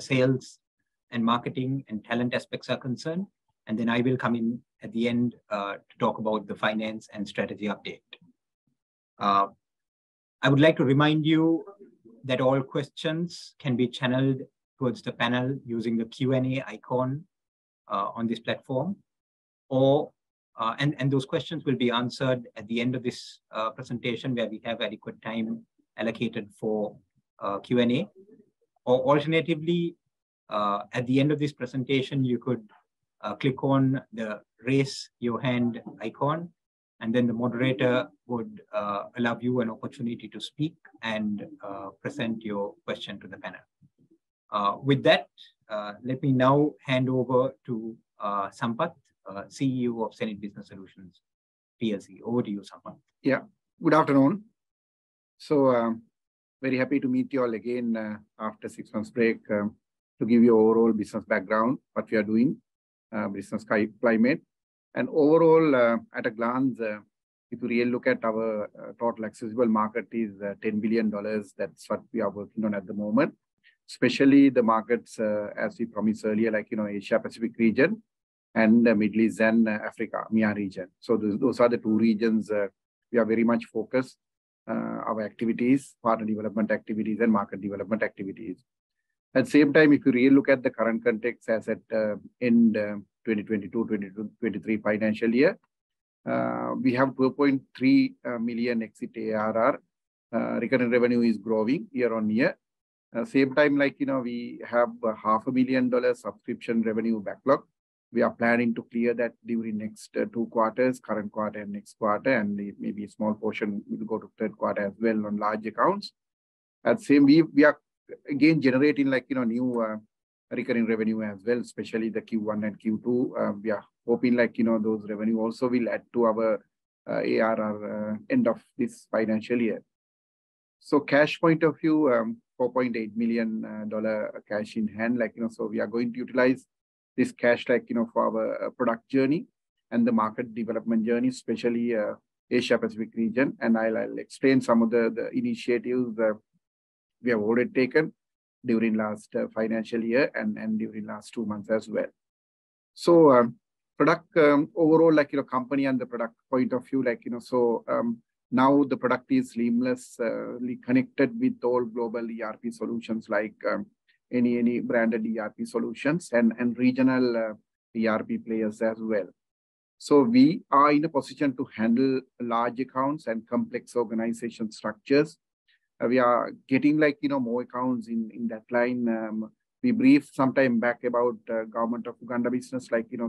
Sales and marketing and talent aspects are concerned, and then I will come in at the end to talk about the finance and strategy update. I would like to remind you that all questions can be channeled towards the panel using the Q&A icon on this platform, or And those questions will be answered at the end of this presentation, where we have adequate time allocated for Q&A. Or alternatively, at the end of this presentation, you could click on the Raise Your Hand icon, and then the moderator would allow you an opportunity to speak and present your question to the panel. With that, let me now hand over to Sampath, CEO of hSenid Business Solutions PLC. Over to you, Sampath. Yeah. Good afternoon. I'm very happy to meet you all again, after six months' break, to give you overall business background, what we are doing, business climate. Overall, at a glance, if you really look at our total accessible market is $10 billion. That's what we are working on at the moment, especially the markets, as we promised earlier, like, you know, Asia-Pacific region and the Middle East and Africa, MEA region. Those are the two regions we are very much focused our activities, partner development activities, and market development activities. At the same time, if you really look at the current context, as at end 2022, 2023 financial year, we have $2.3 million exit ARR. Recurring revenue is growing year-on-year. Same time, like, you know, we have a half a billion dollar subscription revenue backlog. We are planning to clear that during next two quarters, current quarter and next quarter, and maybe a small portion will go to third quarter as well on large accounts. At same, we are again generating, like, you know, new recurring revenue as well, especially the Q1 and Q2. We are hoping, like, you know, those revenue also will add to our ARR end of this financial year. Cash point of view, $4.8 million cash in hand, like, you know, we are going to utilize this cash, like, you know, for our product journey and the market development journey, especially Asia-Pacific region. I'll explain some of the initiatives that we have already taken during last financial year and during last two months as well. Overall, like, you know, company and the product point of view, like, you know, now the product is seamlessly connected with all global ERP solutions, like, any branded ERP solutions and regional ERP players as well. We are in a position to handle large accounts and complex organization structures. We are getting, like, you know, more accounts in that line. We briefed sometime back about Government of Uganda business, like, you know,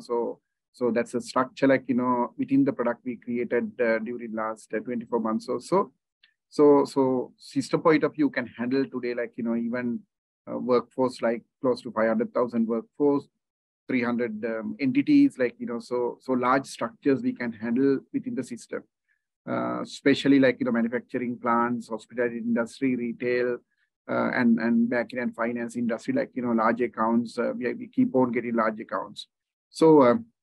so that's a structure like, you know, within the product we created during last 24 months or so. System point of view can handle today, like, you know, even a workforce, like close to 500,000 workforce, 300 entities, like, you know, large structures we can handle within the system. Especially like, you know, manufacturing plants, hospitality industry, retail, and back-end finance industry, like, you know, large accounts. We keep on getting large accounts.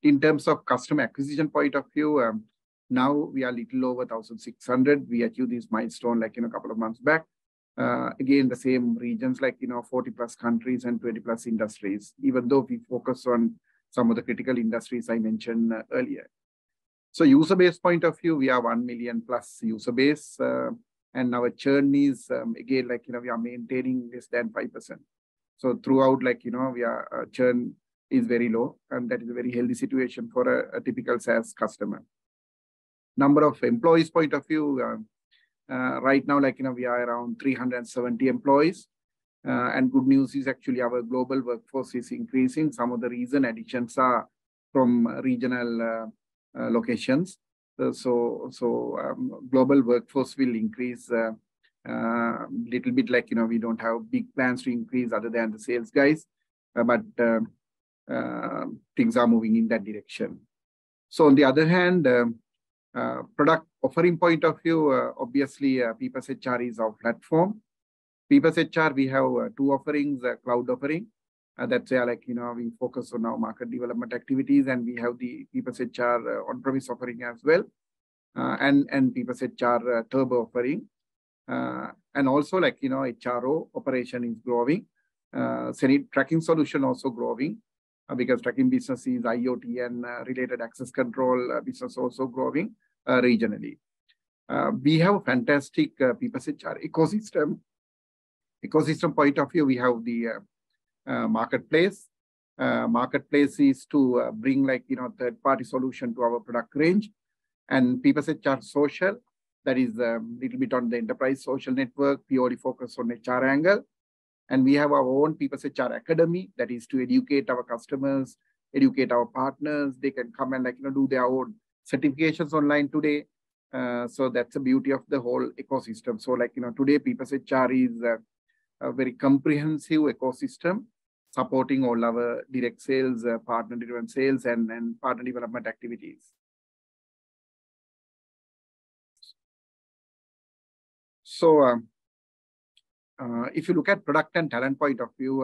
In terms of customer acquisition point of view, now we are little over 1,600. We achieved this milestone, like, you know, a couple of months back. Again, the same regions, like, you know, 40+ countries and 20+ industries, even though we focus on some of the critical industries I mentioned earlier. User base point of view, we are one million-plus user base, and our churn is, again, like, you know, we are maintaining less than 5%. Throughout, like, you know, we are, churn is very low, and that is a very healthy situation for a typical sales customer. Number of employees point of view, right now, like, you know, we are around 370 employees. Good news is actually our global workforce is increasing. Some of the reason additions are from regional locations. Global workforce will increase little bit. Like, you know, we don't have big plans to increase other than the sales guys, but things are moving in that direction. On the other hand, product offering point of view, obviously, PeoplesHR is our platform. PeoplesHR, we have two offerings: a Cloud offering, that's where, like, you know, we focus on our market development activities, and we have the PeoplesHR On-Premise offering as well, and PeoplesHR Turbo offering. And also, like, you know, HRO operation is growing. hSenid Tracking Solution also growing, because tracking business is IoT and related access control business also growing regionally. We have a fantastic PeoplesHR ecosystem. Ecosystem point of view, we have the Marketplace. Marketplace is to bring, like, you know, third-party solution to our product range. PeoplesHR Social, that is little bit on the enterprise social network, purely focused on HR angle. We have our own PeoplesHR Academy, that is to educate our customers, educate our partners. They can come and, like, you know, do their own certifications online today. That's the beauty of the whole ecosystem. Like, you know, today, PeoplesHR is a very comprehensive ecosystem, supporting all our direct sales, partner-driven sales, and partner development activities. If you look at product and talent point of view,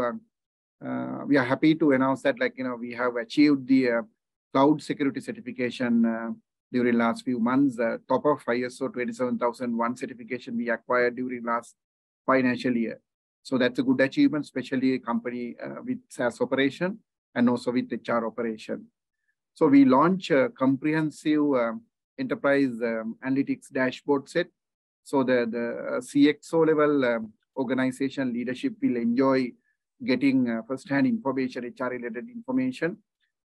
we are happy to announce that, like, you know, we have achieved the Cloud security certification, during last few months, top of ISO 27001 certification we acquired during last financial year. That's a good achievement, especially a company with SaaS operation and also with HR operation. We launch a comprehensive, enterprise, analytics dashboard set, so the, CXO-level, organization leadership will enjoy getting, first-hand information, HR-related information.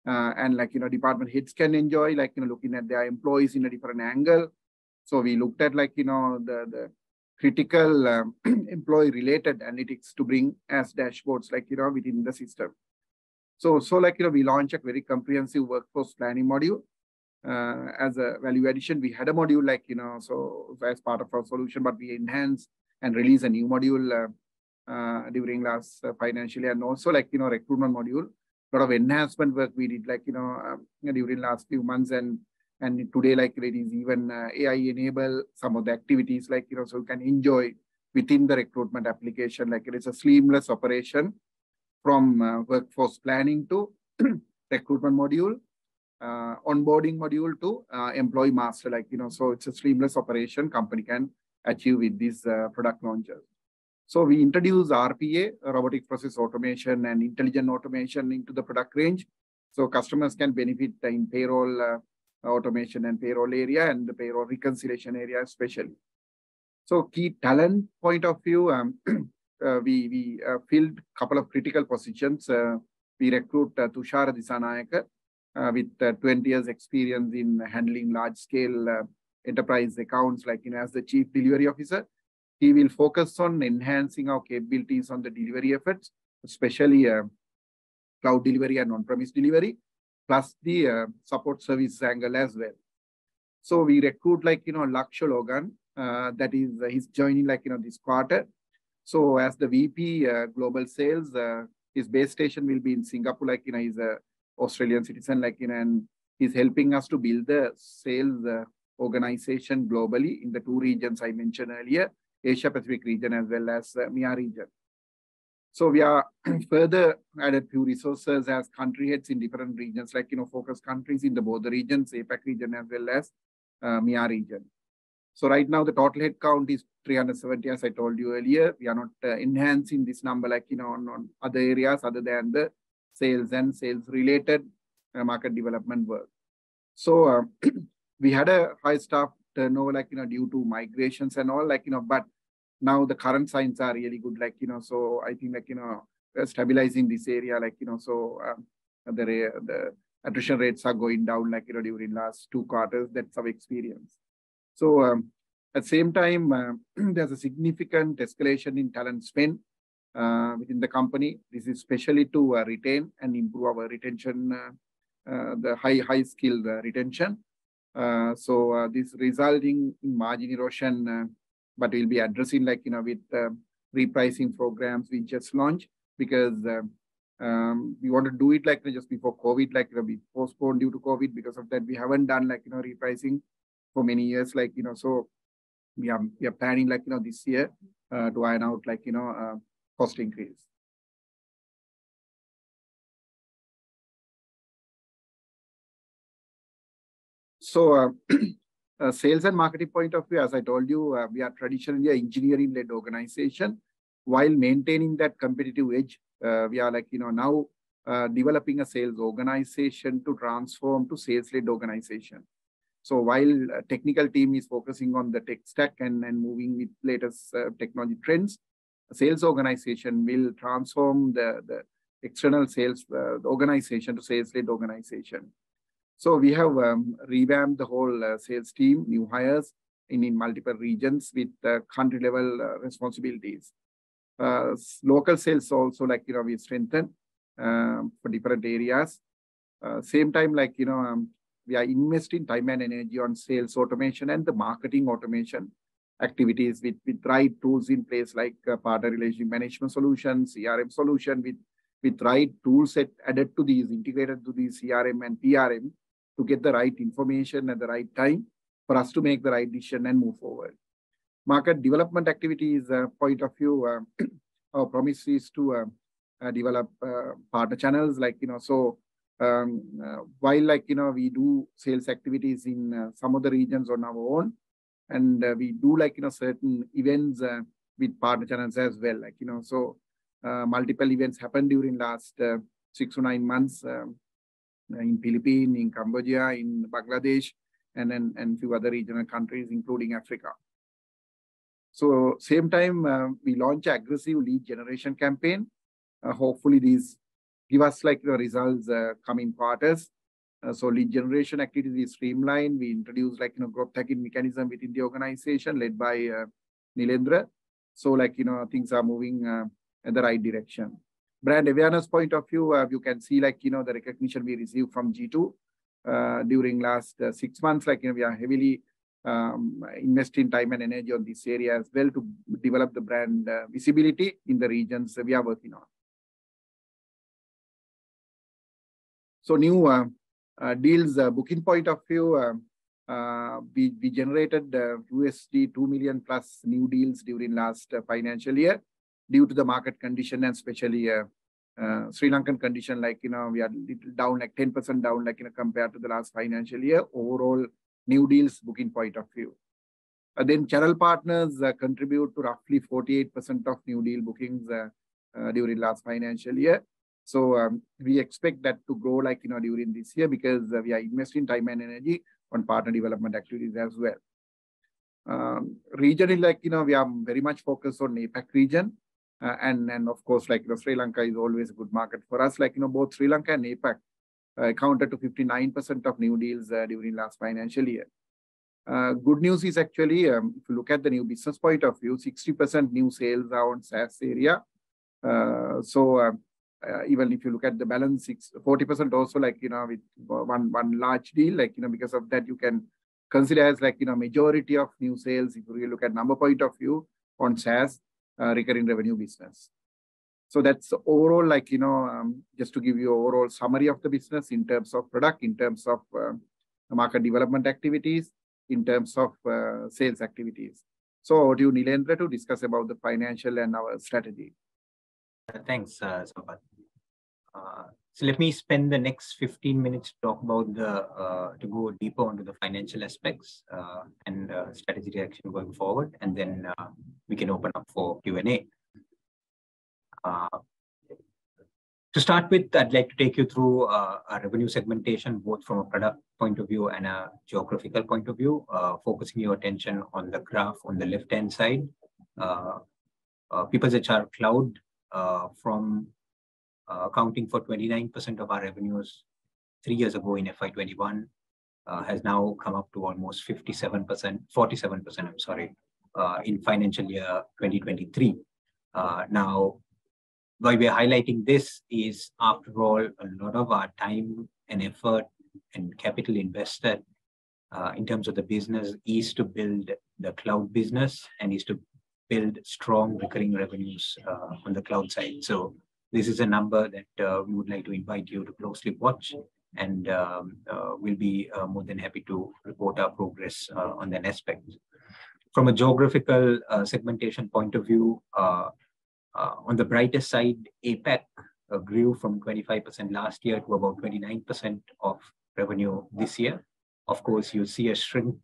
Like, you know, department heads can enjoy, like, you know, looking at their employees in a different angle. We looked at like, you know, the critical, employee-related analytics to bring as dashboards, like, you know, within the system. Like, you know, we launch a very comprehensive workforce planning module. As a value addition, we had a module like, you know, so as part of our solution, but we enhanced and released a new module, during last financial year. Also, like, you know, recruitment module, lot of enhancement work we did, like, you know, during last few months. Today, like it is even AI-enabled some of the activities like, you know, so you can enjoy within the recruitment application. Like it is a seamless operation from workforce planning to recruitment module, onboarding module to employee master. Like, you know, so it's a seamless operation company can achieve with this product launcher. We introduce RPA, Robotic Process Automation, and intelligent automation into the product range, so customers can benefit in payroll automation and payroll area, and the payroll reconciliation area especially. Key talent point of view, we filled couple of critical positions. We recruit Thushara Dissanayake with 20 years' experience in handling large-scale enterprise accounts. Like, you know, as the Chief Delivery Officer, he will focus on enhancing our capabilities on the delivery efforts, especially, Cloud delivery and On-Premise delivery, plus the support service angle as well. We recruit, like, you know, Luxsho Logan. He's joining, like, you know, this quarter. As the VP, Global Sales, his base station will be in Singapore. Like, you know, he's a Australian citizen, like, you know, and he's helping us to build the sales organization globally in the two regions I mentioned earlier, Asia-Pacific region as well as MEA region. We are further added few resources as country heads in different regions, like, you know, focus countries in the both regions, APAC region as well as MEA region. Right now, the total head count is 370, as I told you earlier. We are not enhancing this number, like, you know, on other areas other than the sales and sales-related market development work. We had a high staff turnover, like, you know, due to migrations and all, like, you know, but now the current signs are really good, like, you know. I think like, you know, we're stabilizing this area, like, you know. The attrition rates are going down, like, you know, during last two quarters. That's our experience. At the same time, there's a significant escalation in talent spend within the company. This is especially to retain and improve our retention, the high-skilled retention. This resulting in margin erosion, but we'll be addressing, like, you know, with repricing programs we just launched. We want to do it like just before COVID, like we postponed due to COVID. We haven't done, like, you know, repricing for many years. We are planning, like, you know, this year to iron out, like, you know, cost increase. Sales and marketing point of view, as I told you, we are traditionally a engineering-led organization. While maintaining that competitive edge, we are like, you know, now developing a sales organization to transform to sales-led organization. While technical team is focusing on the tech stack and moving with latest technology trends, the sales organization will transform the external sales organization to sales-led organization. We have revamped the whole sales team, new hires in multiple regions with country-level responsibilities. Local sales also, like, you know, we strengthen for different areas. Same time, like, you know, we are investing time and energy on sales automation and the marketing automation activities with right tools in place, like partner relationship management solution, CRM solution. With right toolset added to these, integrated to the CRM and PRM, to get the right information at the right time for us to make the right decision and move forward. Market development activities, point of view, our promise is to develop partner channels, like, you know... While like, you know, we do sales activities in some of the regions on our own, and we do, like, you know, certain events with partner channels as well, like, you know. Multiple events happened during last six to nine months in Philippines, in Cambodia, in Bangladesh, and few other regional countries, including Africa. Same time, we launch aggressive lead generation campaign. Hopefully these give us, like, you know, results coming quarters. Lead generation activities streamlined. We introduced, like, you know, growth hacking mechanism within the organization, led by Nilendra. Like, you know, things are moving in the right direction. Brand awareness point of view, you can see like, you know, the recognition we received from G2 during last six months. Like, you know, we are heavily investing time and energy on this area as well to develop the brand visibility in the regions that we are working on. New deals booking point of view, we generated $2 million+ new deals during last financial year due to the market condition and especially Sri Lankan condition. Like, you know, we are little down, like 10% down, like, you know, compared to the last financial year, overall new deals booking point of view. Channel partners contribute to roughly 48% of new deal bookings during last financial year. We expect that to grow, like, you know, during this year, because we are investing time and energy on partner development activities as well. Regionally, like, you know, we are very much focused on APAC region. Of course, like, you know, Sri Lanka is always a good market for us. Like, you know, both Sri Lanka and APAC accounted to 59% of new deals during last financial year. Good news is actually, if you look at the new business point of view, 60% new sales are on SaaS area. Even if you look at the balance, 40% also like, you know, with one large deal, like, you know, because of that, you can consider as like, you know, majority of new sales, if you really look at number point of view on SaaS, recurring revenue business. That's overall like, you know, just to give you overall summary of the business in terms of product, in terms of, the market development activities, in terms of, sales activities. Over to you, Nilendra, to discuss about the financial and our strategy. Thanks, Sampath. Let me spend the next 15 minutes to talk about the to go deeper onto the financial aspects, and strategy direction going forward, then we can open up for Q&A. To start with, I'd like to take you through our revenue segmentation, both from a product point of view and a geographical point of view. Focusing your attention on the graph on the left-hand side, PeoplesHR Cloud, from accounting for 29% of our revenues three years ago in FY 2021, has now come up to almost 57%... 47%, I'm sorry, in financial year 2023. Now, why we are highlighting this is, after all, a lot of our time and effort and capital invested, in terms of the business, is to build the Cloud business and is to build strong recurring revenues, on the Cloud side. This is a number that we would like to invite you to closely watch, and we'll be more than happy to report our progress on that aspect. From a geographical segmentation point of view, on the brighter side, APAC grew from 25% last year to about 29% of revenue this year. Of course, you'll see a shrink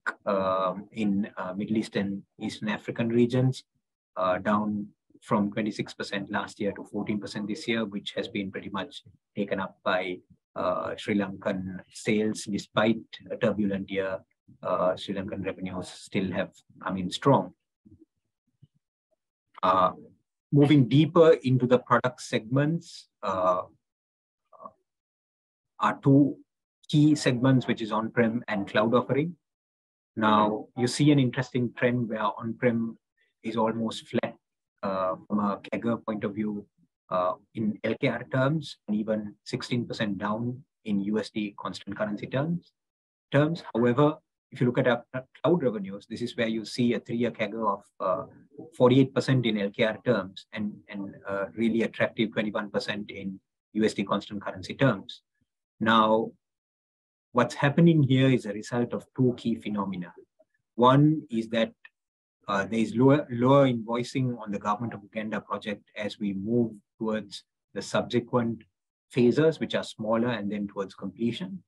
in Middle East and Eastern African regions, down from 26% last year to 14% this year, which has been pretty much taken up by Sri Lankan sales. Despite a turbulent year, Sri Lankan revenues still have coming strong. Moving deeper into the product segments, are two key segments, which is On-Prem and Cloud offering. You see an interesting trend where On-Prem is almost flat from a CAGR point of view in LKR terms, and even 16% down in USD constant currency terms. If you look at our Cloud revenues, this is where you see a three-year CAGR of 48% in LKR terms and really attractive 21% in USD constant currency terms. What's happening here is a result of two key phenomena. One is that there's lower invoicing on the Government of Uganda project as we move towards the subsequent phases, which are smaller, and then towards completion.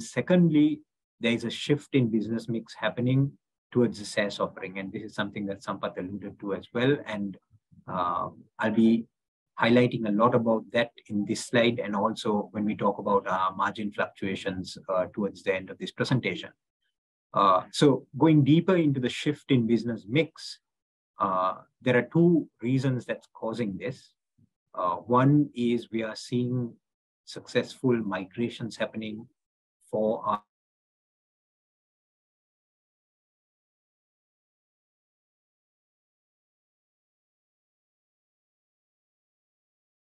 Secondly, there is a shift in business mix happening towards the SaaS offering, and this is something that Sampath alluded to as well. I'll be highlighting a lot about that in this slide and also when we talk about margin fluctuations towards the end of this presentation. Going deeper into the shift in business mix, there are two reasons that's causing this. One is we are seeing successful migrations happening for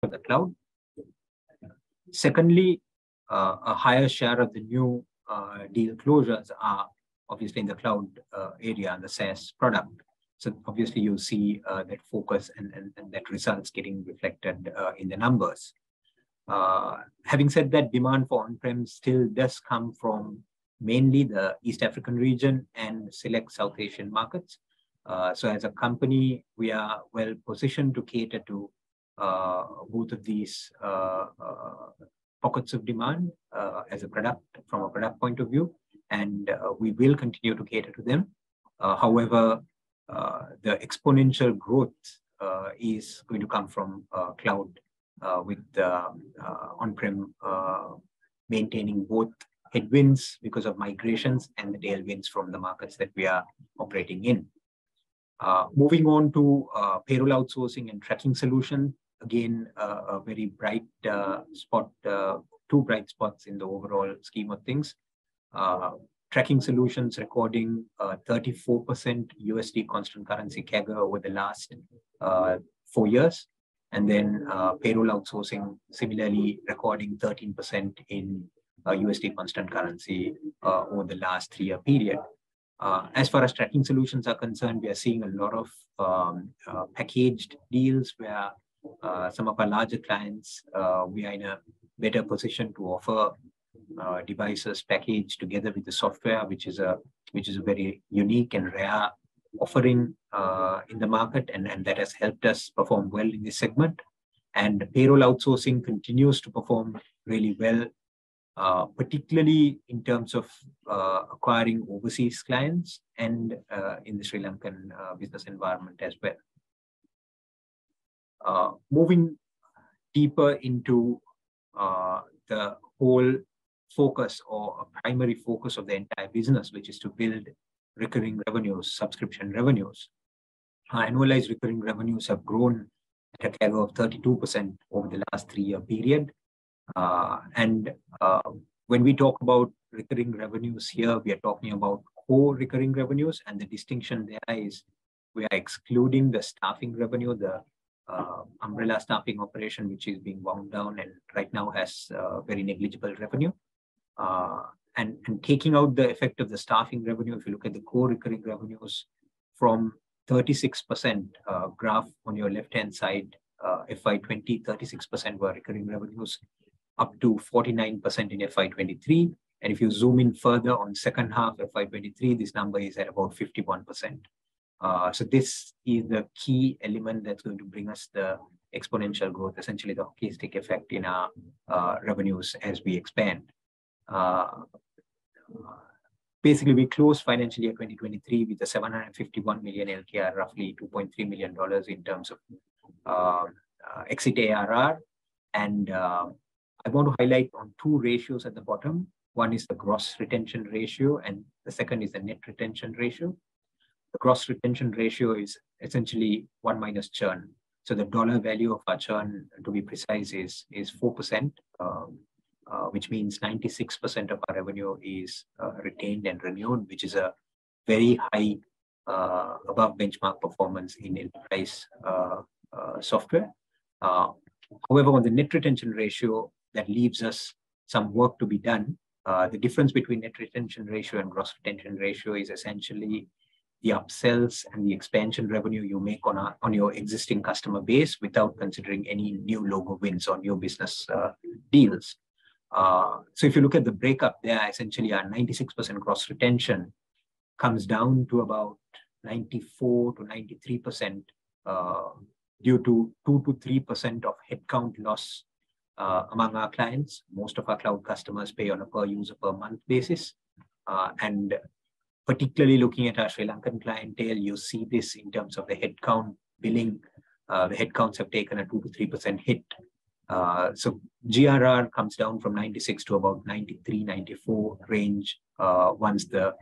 the Cloud. Secondly, a higher share of the new deal closures are obviously in the Cloud area and the SaaS product. Obviously, you'll see that focus and that results getting reflected in the numbers. Having said that, demand for On-Prem still does come from mainly the East African region and select South Asian markets. As a company, we are well positioned to cater to both of these pockets of demand, as a product, from a product point of view, and we will continue to cater to them. However, the exponential growth is going to come from Cloud, with the On-Prem maintaining both headwinds because of migrations and the tailwinds from the markets that we are operating in. Moving on to Payroll Outsourcing and Tracking Solutions. Again, a very bright spot, two bright spots in the overall scheme of things. Tracking Solutions recording 34% $ constant currency CAGR over the last four years, and then Payroll Outsourcing, similarly recording 13% in USD constant currency over the last three-year period. As far as Tracking Solutions are concerned, we are seeing a lot of packaged deals where some of our larger clients, we are in a better position to offer devices packaged together with the software, which is a very unique and rare offering in the market. That has helped us perform well in this segment. Payroll Outsourcing continues to perform really well, particularly in terms of acquiring overseas clients and in the Sri Lankan business environment as well. Moving deeper into the whole focus or primary focus of the entire business, which is to build recurring revenues, subscription revenues. Our annualized recurring revenues have grown at a CAGR of 32% over the last three-year period. When we talk about recurring revenues here, we are talking about core recurring revenues, and the distinction there is we are excluding the staffing revenue, the umbrella staffing operation, which is being wound down and right now has very negligible revenue. Taking out the effect of the staffing revenue, if you look at the core recurring revenues from 36%, graph on your left-hand side, FY 2020, 36% were recurring revenues, up to 49% in FY 2023. If you zoom in further on second half FY 2023, this number is at about 51%. This is the key element that's going to bring us the exponential growth, essentially the hockey stick effect in our revenues as we expand. Basically, we closed financial year 2023 with a LKR 751 million, roughly $2.3 million in terms of exit ARR. I want to highlight on two ratios at the bottom. One is the gross retention ratio, and the second is the net retention ratio. The gross retention ratio is essentially one minus churn. The dollar value of our churn, to be precise, is 4%, which means 96% of our revenue is retained and renewed, which is a very high above benchmark performance in enterprise software. However, on the net retention ratio, that leaves us some work to be done. The difference between net retention rate and gross retention rate is essentially the upsells and the expansion revenue you make on your existing customer base without considering any new logo wins on your business deals. If you look at the breakup there, essentially our 96% gross retention comes down to about 94% to 93% due to 2%-3% of headcount loss among our clients. Most of our Cloud customers pay on a per-user, per-month basis. Particularly looking at our Sri Lankan clientele, you see this in terms of the headcount billing. The headcounts have taken a 2%-3% hit. GRR comes down from 96% to about 93%-94% range once the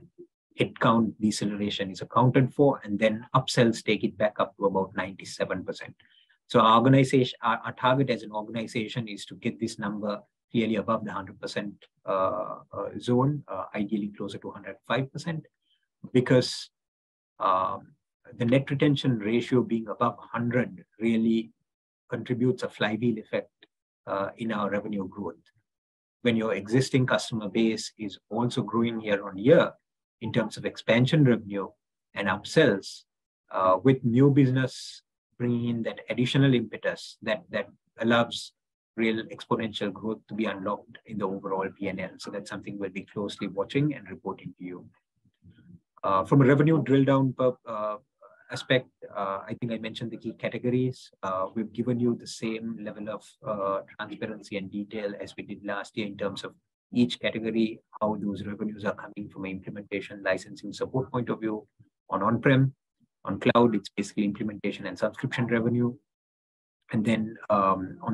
headcount deceleration is accounted for, and then upsells take it back up to about 97%. Our target as an organization is to get this number clearly above the 100% zone, ideally closer to 105%, because the net retention rate being above 100% really contributes a flywheel effect in our revenue growth. When your existing customer base is also growing year-over-year in terms of expansion revenue and upsells, with new business bringing in that additional impetus, that allows real exponential growth to be unlocked in the overall P&L. That's something we'll be closely watching and reporting to you. From a revenue drill-down per aspect, I think I mentioned the key categories. We've given you the same level of transparency and detail as we did last year in terms of each category, how those revenues are coming from an implementation, licensing, support point of view on On-Prem. On Cloud, it's basically implementation and subscription revenue. On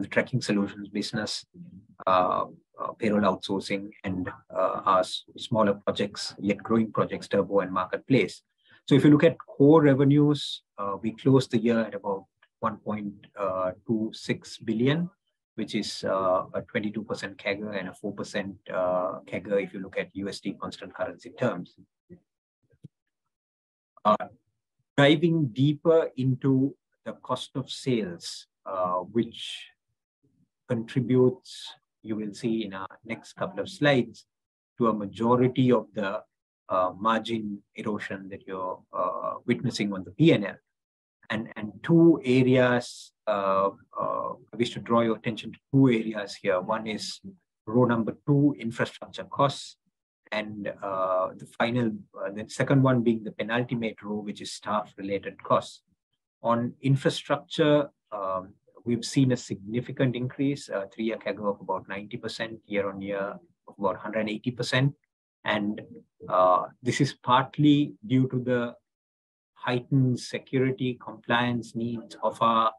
the Tracking Solutions business, Payroll Outsourcing and our smaller projects, yet growing projects, Turbo and Marketplace. If you look at core revenues, we closed the year at about LKR 1.26 billion, which is a 22% CAGR and a 4% CAGR if you look at USD constant currency terms. Diving deeper into the cost of sales, which contributes, you will see in our next couple of slides, to a majority of the margin erosion that you're witnessing on the P&L. Two areas, I wish to draw your attention to two areas here. One is row number two, infrastructure costs, the final, the second one being the penultimate row, which is staff-related costs. On infrastructure, we've seen a significant increase, a three-year CAGR of about 90%, year on year, about 180%. This is partly due to the heightened security compliance needs of our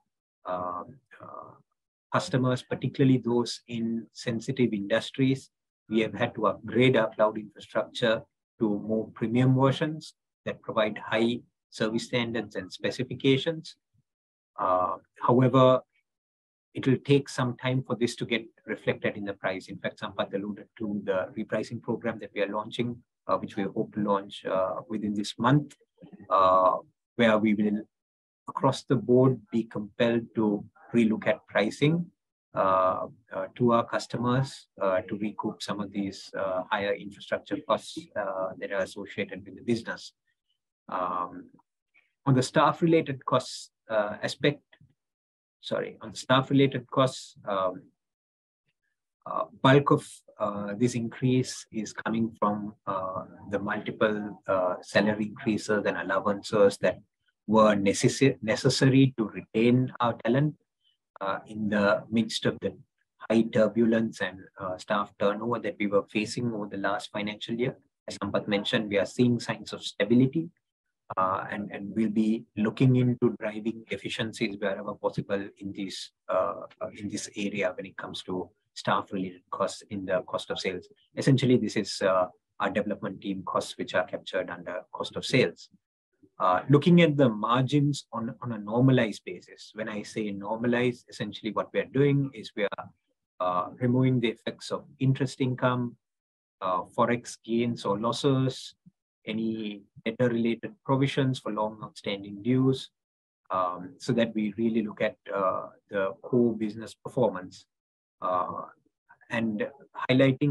customers, particularly those in sensitive industries. We have had to upgrade our Cloud infrastructure to more premium versions that provide high service standards and specifications. However, it will take some time for this to get reflected in the price. In fact, Sampath alluded to the repricing program that we are launching, which we hope to launch within this month, where we will. across the board, be compelled to relook at pricing to our customers to recoup some of these higher infrastructure costs that are associated with the business. On the staff-related costs, Sorry, on staff-related costs, bulk of this increase is coming from the multiple salary increases and allowances that were necessary to retain our talent in the midst of the high turbulence and staff turnover that we were facing over the last financial year. As Sampath mentioned, we are seeing signs of stability, and we'll be looking into driving efficiencies wherever possible in this in this area when it comes to staff-related costs in the cost of sales. Essentially, this is our development team costs, which are captured under cost of sales. Looking at the margins on a normalized basis. When I say normalized, essentially what we are doing is we are removing the effects of interest income, Forex gains or losses, any debtor-related provisions for long-outstanding dues, so that we really look at the core business performance. Highlighting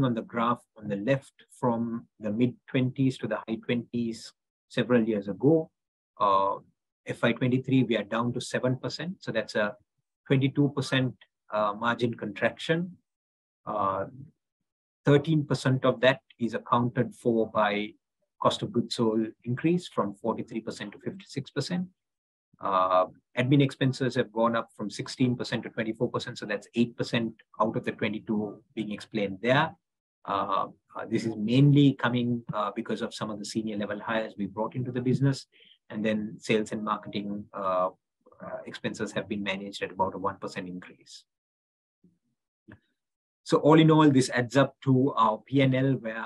on the graph on the left, from the mid-2020s to the high 2020s, several years ago, FY 2023, we are down to 7%, so that's a 22% margin contraction. 13% of that is accounted for by cost of goods sold increase from 43%-56%. Admin expenses have gone up from 16%-24%, so that's 8% out of the 22% being explained there. This is mainly coming, uh, because of some of the senior-level hires we brought into the business, and then sales and marketing, uh, uh, expenses have been managed at about a one percent increase. So all in all, this adds up to our P&L, where,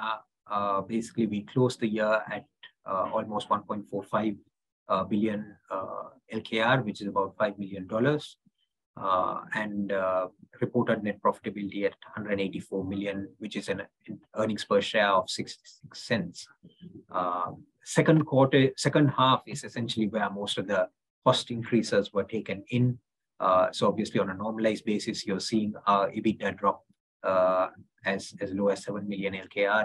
uh, basically, we closed the year at, uh, almost LKR 1.45 billion, which is about $5 million. Uh, and, uh, reported net profitability at LKR 184 million, which is an, an earnings per share of LKR 0.66. Uh, second quarter-- second half is essentially where most of the cost increases were taken in. Uh, so obviously, on a normalized basis, you're seeing our EBITDA drop, uh, as, as low as LKR 7 million,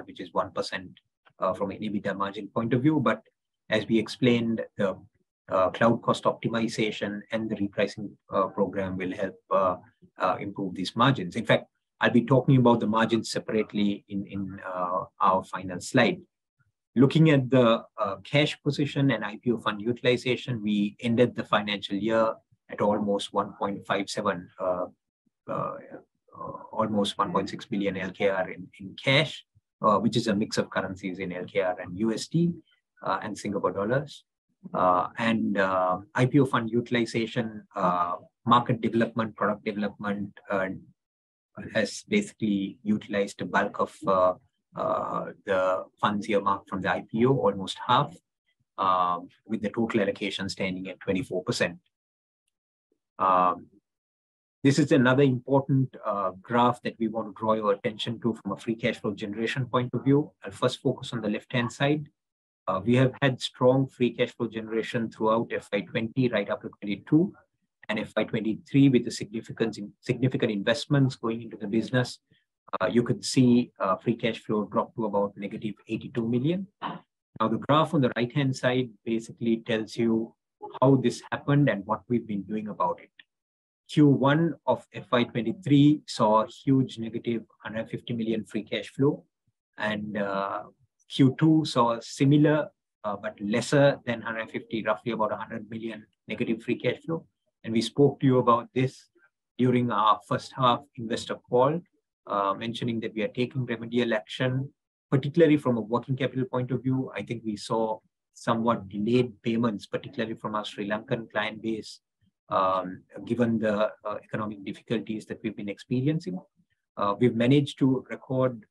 which is 1%, from an EBITDA margin point of view. As we explained, the Cloud cost optimization and the repricing program will help improve these margins. In fact, I'll be talking about the margins separately in our final slide. Looking at the cash position and IPO fund utilization, we ended the financial year at almost LKR 1.57, almost LKR 1.6 billion in cash, which is a mix of currencies in LKR and USD, and Singapore dollars. IPO fund utilization, market development, product development, has basically utilized the bulk of the funds earmarked from the IPO, almost half, with the total allocation standing at 24%. This is another important graph that we want to draw your attention to from a free cash flow generation point of view. I'll first focus on the left-hand side. We have had strong free cash flow generation throughout FY 2020, right up to 2022, and FY 2023, with significant investments going into the business, you could see free cash flow drop to about LKR -82 million. The graph on the right-hand side basically tells you how this happened and what we've been doing about it. Q1 of FY 2023 saw a huge LKR -150 million free cash flow, and Q2 saw a similar, but lesser than LKR 150, roughly about LKR -100 million free cash flow. We spoke to you about this during our first half investor call, mentioning that we are taking remedial action, particularly from a working capital point of view. I think we saw somewhat delayed payments, particularly from our Sri Lankan client base, given the economic difficulties that we've been experiencing. We've managed to record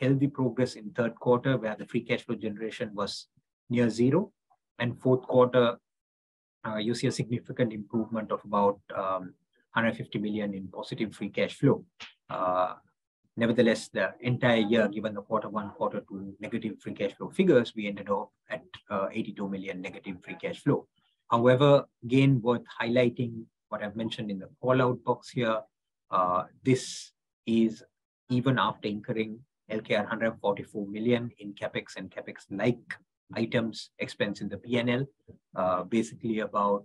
healthy progress in third quarter, where the free cash flow generation was near 0. Fourth quarter, you see a significant improvement of about LKR 150 million in positive free cash flow. Nevertheless, the entire year, given the quarter one, quarter two negative free cash flow figures, we ended up at LKR 82 million negative free cash flow. However, again, worth highlighting what I've mentioned in the call-out box here, this is even after incurring LKR 144 million in CapEx and CapEx-like items expense in the P&L. Basically about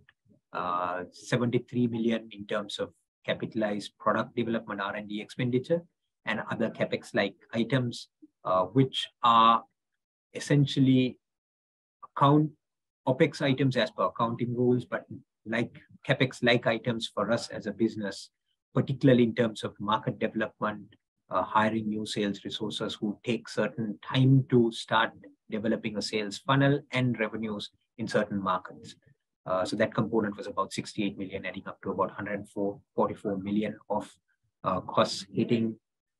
LKR 73 million in terms of capitalized product development, R&D expenditure, and other CapEx-like items, which are essentially account OpEx items as per accounting rules, but like CapEx-like items for us as a business, particularly in terms of market development, hiring new sales resources who take certain time to start developing a sales funnel and revenues in certain markets. That component was about LKR 68 million, adding up to about LKR 144 million of costs hitting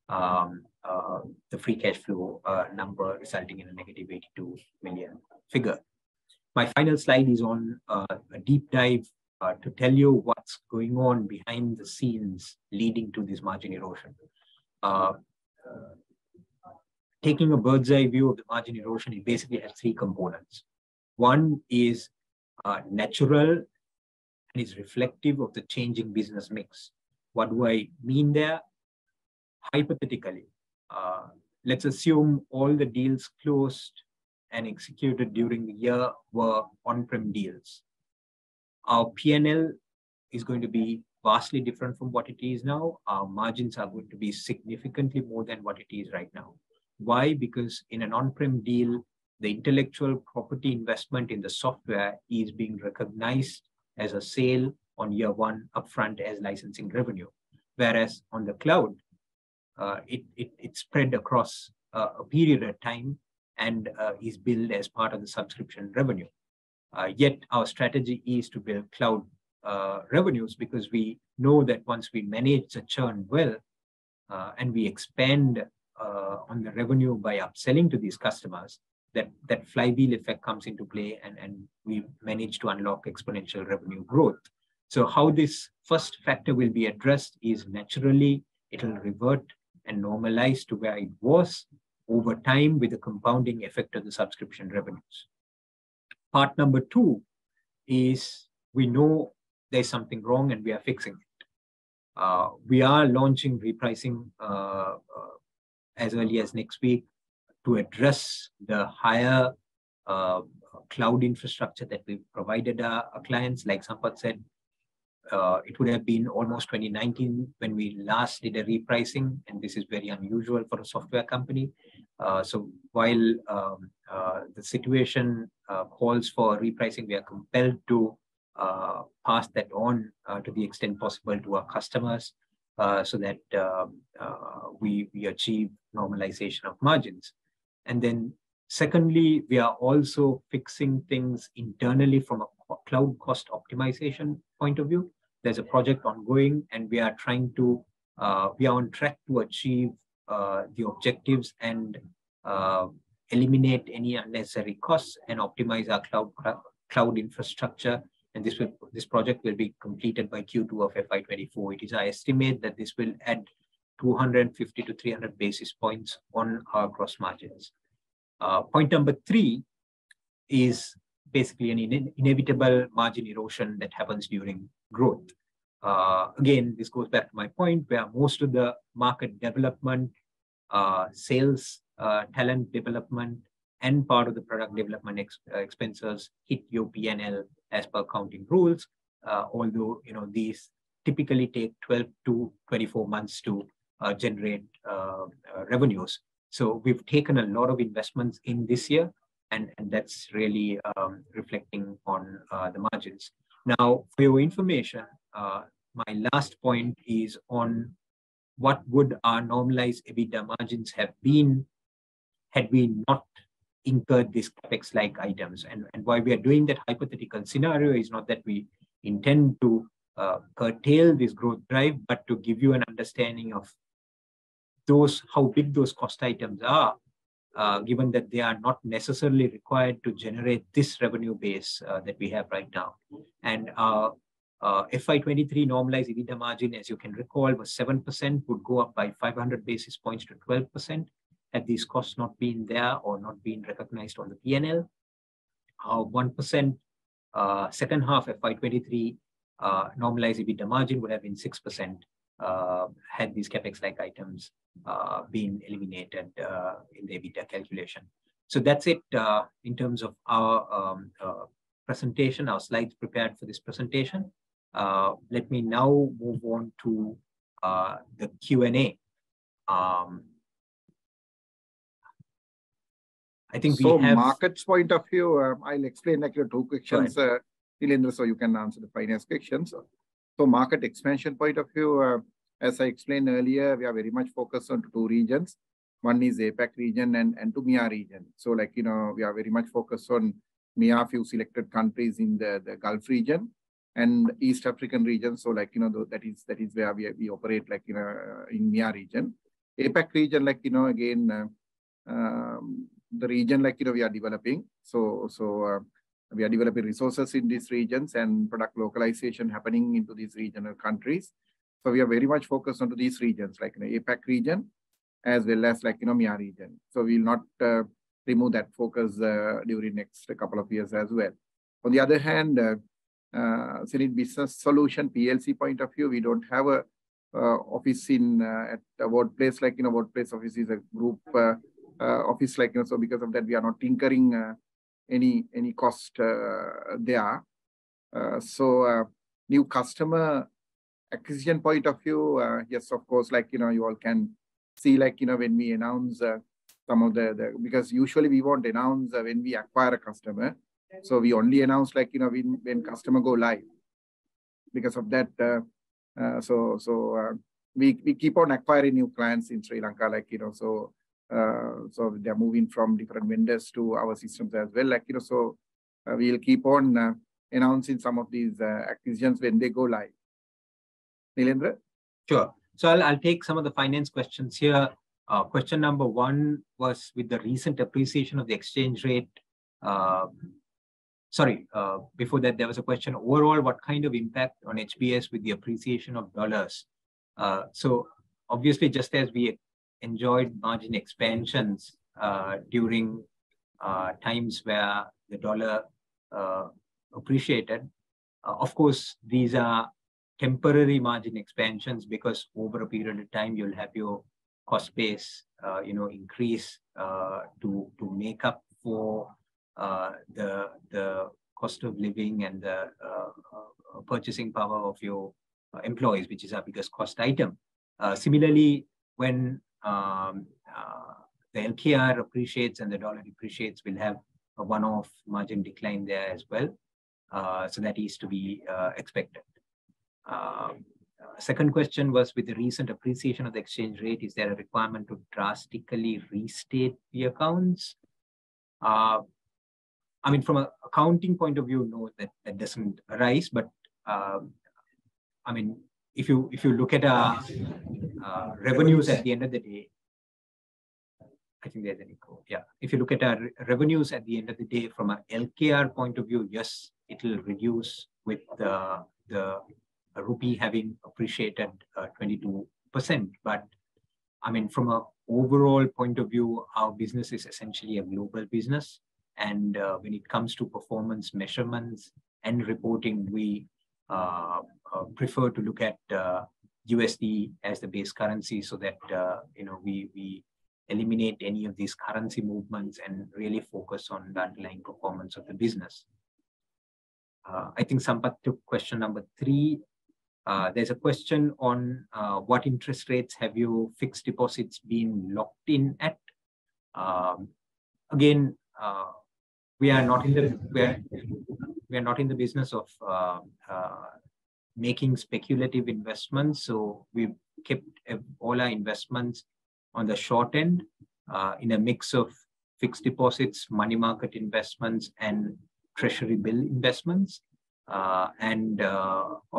the free cash flow number, resulting in a LKR -82 million figure. My final slide is on a deep dive to tell you what's going on behind the scenes leading to this margin erosion. Taking a bird's-eye view of the margin erosion, it basically has three components. One is natural and is reflective of the changing business mix. What do I mean there? Hypothetically, let's assume all the deals closed and executed during the year were On-Prem deals. Our P&L is going to be vastly different from what it is now. Our margins are going to be significantly more than what it is right now. Why? In an On-Prem deal, the intellectual property investment in the software is being recognized as a sale on year one upfront as licensing revenue. On the Cloud, it's spread across a period of time and is billed as part of the subscription revenue. Yet our strategy is to build Cloud revenues because we know that once we manage the churn well, and we expand on the revenue by upselling to these customers, that that flywheel effect comes into play, and we manage to unlock exponential revenue growth. How this first factor will be addressed is naturally it'll revert and normalize to where it was over time, with the compounding effect of the subscription revenues. Part number two is we know there's something wrong, and we are fixing it. We are launching repricing as early as next week to address the higher Cloud infrastructure that we've provided our clients. Like Sampath said, it would have been almost 2019 when we last did a repricing, and this is very unusual for a software company. So while the situation calls for repricing, we are compelled to pass that on to the extent possible to our customers, so that we achieve normalization of margins. Secondly, we are also fixing things internally from a Cloud cost optimization point of view. There's a project ongoing, and we are on track to achieve the objectives and eliminate any unnecessary costs and optimize our Cloud infrastructure. This project will be completed by Q2 of FY 2024. It is our estimate that this will add 250-300 basis points on our gross margins. Point number three is basically an inevitable margin erosion that happens during growth. Again, this goes back to my point, where most of the market development, sales, talent development, and part of the product development expenses hit your P&L as per accounting rules. Although, you know, these typically take 12 to 24 months to generate revenues. We've taken a lot of investments in this year, and that's really reflecting on the margins. Now, for your information, my last point is on what would our normalized EBITDA margins have been had we not incurred these CapEx-like items. Why we are doing that hypothetical scenario is not that we intend to curtail this growth drive, but to give you an understanding of how big those cost items are, given that they are not necessarily required to generate this revenue base that we have right now. FY 2023 normalized EBITDA margin, as you can recall, was 7%, would go up by 500 basis points to 12%, had these costs not been there or not been recognized on the P&L. Our 1%, second half FY 2023 normalized EBITDA margin would have been 6% had these CapEx-like items been eliminated in the EBITDA calculation. That's it in terms of our presentation, our slides prepared for this presentation. Let me now move on to the Q&A. I think we have- market's point of view, I'll explain, like, your two questions. Right. Nilendra, you can answer the finance questions. Market expansion point of view, as I explained earlier, we are very much focused on two regions. One is APAC region and two, MEA region. Like, you know, we are very much focused on MEA, a few selected countries in the Gulf region and East African region. Like, you know, though, that is where we operate, like in MEA region. APAC region, like, you know, again, the region, like, you know, we are developing. We are developing resources in these regions and product localization happening into these regional countries. We are very much focused on these regions, like in the APAC region as well as like, you know, MEA region. We'll not remove that focus during next couple of years as well. On the other hand, hSenid Business Solutions PLC point of view, we don't have a office in at workplace. Like, you know, workplace office is a group office, like, you know. Because of that, we are not incurring any cost there. New customer acquisition point of view, yes, of course, like, you know, you all can see, like, you know, when we announce some of the. Usually we won't announce when we acquire a customer. We only announce, like, you know, when customer go live. Because of that, so, we keep on acquiring new clients in Sri Lanka, like, you know, so they're moving from different vendors to our systems as well. Like, you know, we'll keep on announcing some of these acquisitions when they go live. Nilendra? Sure. I'll take some of the finance questions here. Question number one was: With the recent appreciation of the exchange rate. Sorry, before that, there was a question: Overall, what kind of impact on HBS with the appreciation of dollars? Obviously, just as we enjoyed margin expansions during times where the dollar appreciated, of course, these are temporary margin expansions, because over a period of time, you'll have your cost base, you know, increase to make up for the cost of living and the purchasing power of your employees, which is our biggest cost item. Similarly, when the LKR appreciates and the dollar appreciates, we'll have a one-off margin decline there as well. That is to be expected. Second question was: With the recent appreciation of the exchange rate, is there a requirement to drastically restate the accounts? I mean, from an accounting point of view, no, that doesn't arise. I mean, if you look at our revenues at the end of the day, I think there's an echo. Yeah. If you look at our revenues at the end of the day, from an LKR point of view, yes, it'll reduce with the rupee having appreciated 22%. I mean, from an overall point of view, our business is essentially a global business, and when it comes to performance measurements and reporting, we prefer to look at USD as the base currency so that, you know, we eliminate any of these currency movements and really focus on the underlying performance of the business. I think Sampath took question number three. There's a question on: What interest rates have you fixed deposits been locked in at? Again, we are not in the business of making speculative investments, we've kept all our investments on the short end, in a mix of fixed deposits, money market investments, and treasury bill investments.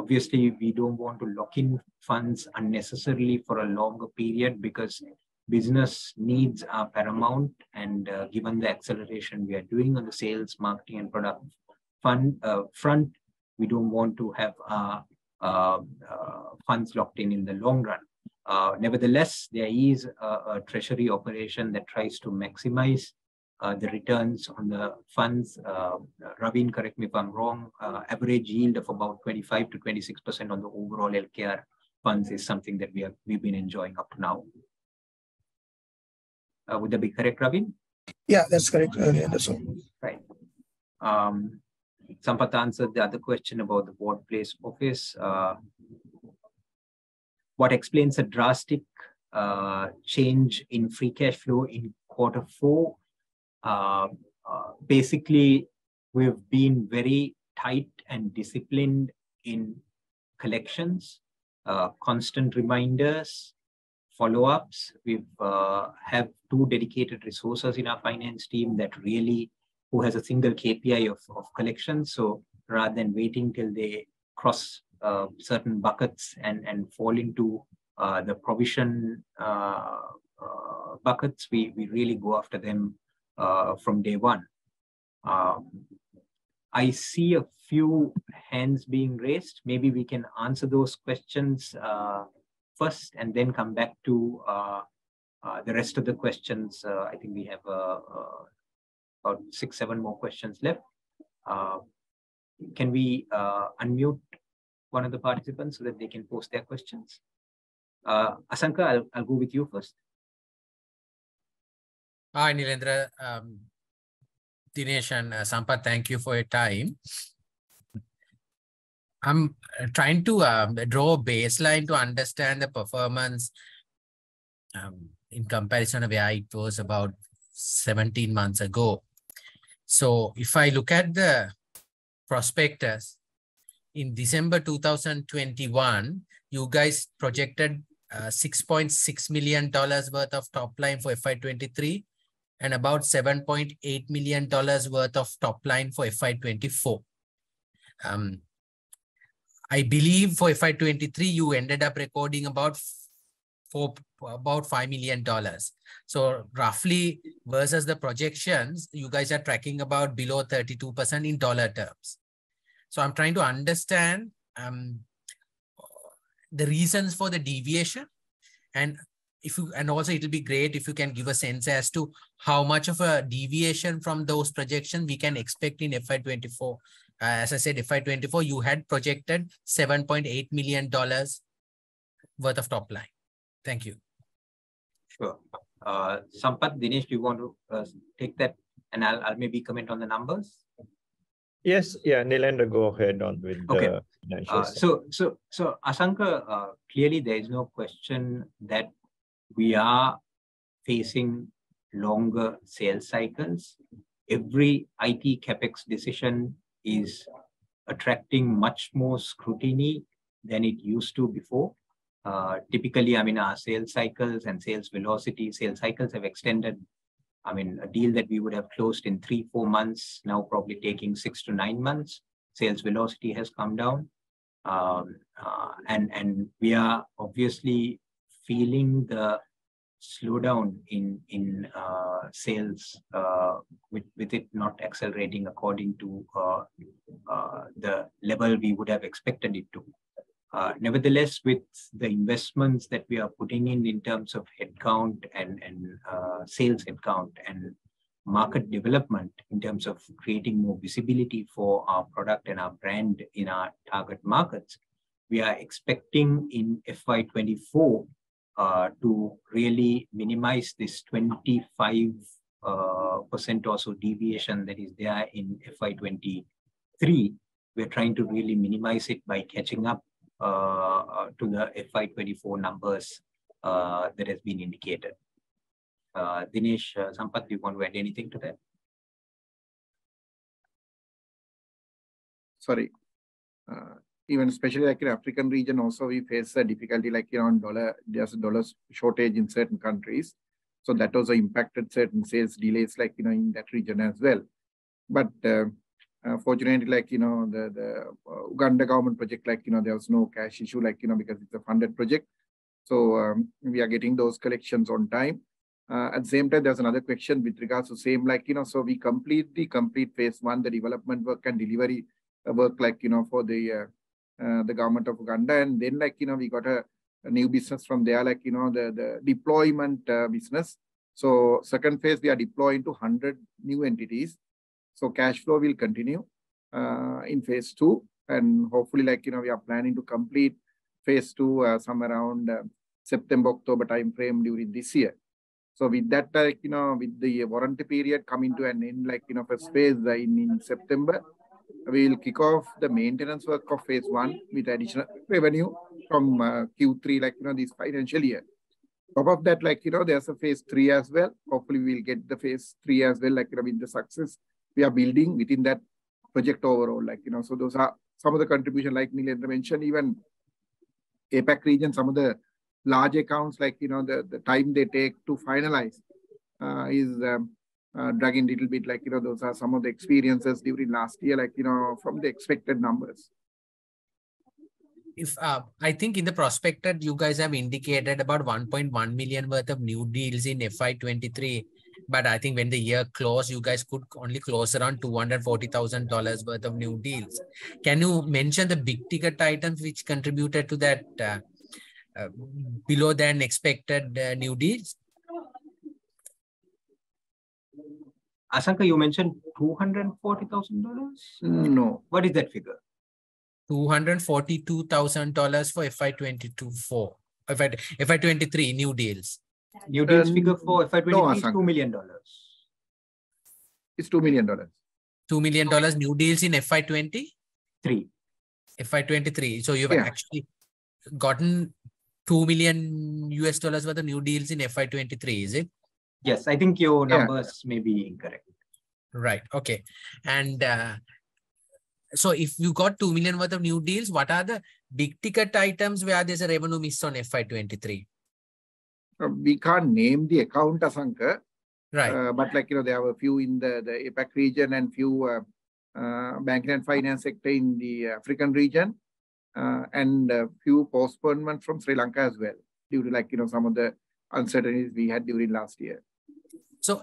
Obviously, we don't want to lock in funds unnecessarily for a longer period because business needs are paramount, and given the acceleration we are doing on the sales, marketing, and product front, we don't want to have funds locked in in the long run. Nevertheless, there is a treasury operation that tries to maximize the returns on the funds. Raveen, correct me if I'm wrong, average yield of about 25%-26% on the overall LKR funds is something that we've been enjoying up to now. Would that be correct, Raveen? Yeah, that's correct. Yeah, that's all. Right. Sampath answered the other question about the workplace office. What explains the drastic change in free cash flow in quarter four? Basically, we've been very tight and disciplined in collections, constant reminders, follow-ups. We've have two dedicated resources in our finance team who has a single KPI of collections. Rather than waiting till they cross certain buckets and fall into the provision buckets, we really go after them from day one. I see a few hands being raised. Maybe we can answer those questions first, and then come back to the rest of the questions. I think we have about six, seven more questions left. Can we unmute one of the participants so that they can post their questions? Asanka, I'll go with you first. Hi, Nilendra, Dinesh and Sampath, thank you for your time. I'm trying to draw a baseline to understand the performance in comparison of where it was about 17 months ago. If I look at the prospectus, in December 2021, you guys projected $6.6 million worth of top line for FY 2023, and about $7.8 million worth of top line for FY 2024. I believe for FY 2023, you ended up recording about $5 million. Roughly, versus the projections, you guys are tracking about below 32% in dollar terms. I'm trying to understand the reasons for the deviation. Also, it'll be great if you can give a sense as to how much of a deviation from those projections we can expect in FY 2024. As I said, FY 2024, you had projected $7.8 million worth of top line. Thank you. Sure. Sampath, Dinesh, do you want to take that, and I'll maybe comment on the numbers? Yes. Yeah, Nilendra, go ahead on. Okay Financials. Asanka, clearly, there is no question that we are facing longer sales cycles. Every IT CapEx decision is attracting much more scrutiny than it used to before. Typically, I mean, our sales cycles and sales velocity, sales cycles have extended. I mean, a deal that we would have closed in three, four months, now probably taking six to nine months. Sales velocity has come down. We are obviously feeling the slow down in sales with it not accelerating according to the level we would have expected it to. Nevertheless, with the investments that we are putting in in terms of headcount and, sales headcount and market development, in terms of creating more visibility for our product and our brand in our target markets, we are expecting in FY 2024, to really minimize this 25% or so deviation that is there in FY 2023. We're trying to really minimize it by catching up, to the FY 2024 numbers, that has been indicated. Dinesh, Sampath, you want to add anything to that? Sorry. Even especially in African region also, we face a difficulty on dollar, just dollar shortage in certain countries. That also impacted certain sales delays in that region as well. Fortunately, the Uganda government project, there was no cash issue because it's a funded project. We are getting those collections on time. At the same time, there's another question with regards to same. We completely complete phase one, the development work and delivery work for the Government of Uganda. We got a new business from there, the deployment business. Second phase, we are deploying to 100 new entities. Cash flow will continue in phase two, and hopefully like, you know, we are planning to complete phase two some around September, October time frame during this year. With that, like, you know, with the warranty period coming to an end, like, you know, for phase in September, we'll kick off the maintenance work of phase one with additional revenue from Q3, like, you know, this financial year. Above that, like, you know, there's a phase three as well. Hopefully, we'll get the phase three as well, like, you know, with the success we are building within that project overall, like, you know. Those are some of the contribution, like Nilendra mentioned, even APAC region, some of the large accounts like, you know, the time they take to finalize is dragging little bit. Like, you know, those are some of the experiences during last year, like, you know, from the expected numbers. I think in the prospective, you guys have indicated about $1.1 million worth of new deals in FY 2023, but I think when the year closed, you guys could only close around $240,000 worth of new deals. Can you mention the big-ticket items which contributed to that, below the expected, new deals? Asanka, you mentioned $240,000? No. What is that figure? $242,000 for FY 2022 FY 2023, new deals. New deals figure for FY 2023- No, Asanka. It's $2 million. It's $2 million. $2 million new deals in FY 2020? 2023. FY 2023. Yeah. you've actually gotten $2 million worth of new deals in FY 2023, is it? Yes, I think your-. Yeah Numbers may be incorrect. Right. Okay. If you got $2 million worth of new deals, what are the big-ticket items where there's a revenue miss on FY 2023? We can't name the account, Asanka. Right. Like, you know, there are a few in the APAC region and few banking and finance sector in the African region, and a few postponement from Sri Lanka as well, due to, like, you know, some of the uncertainties we had during last year.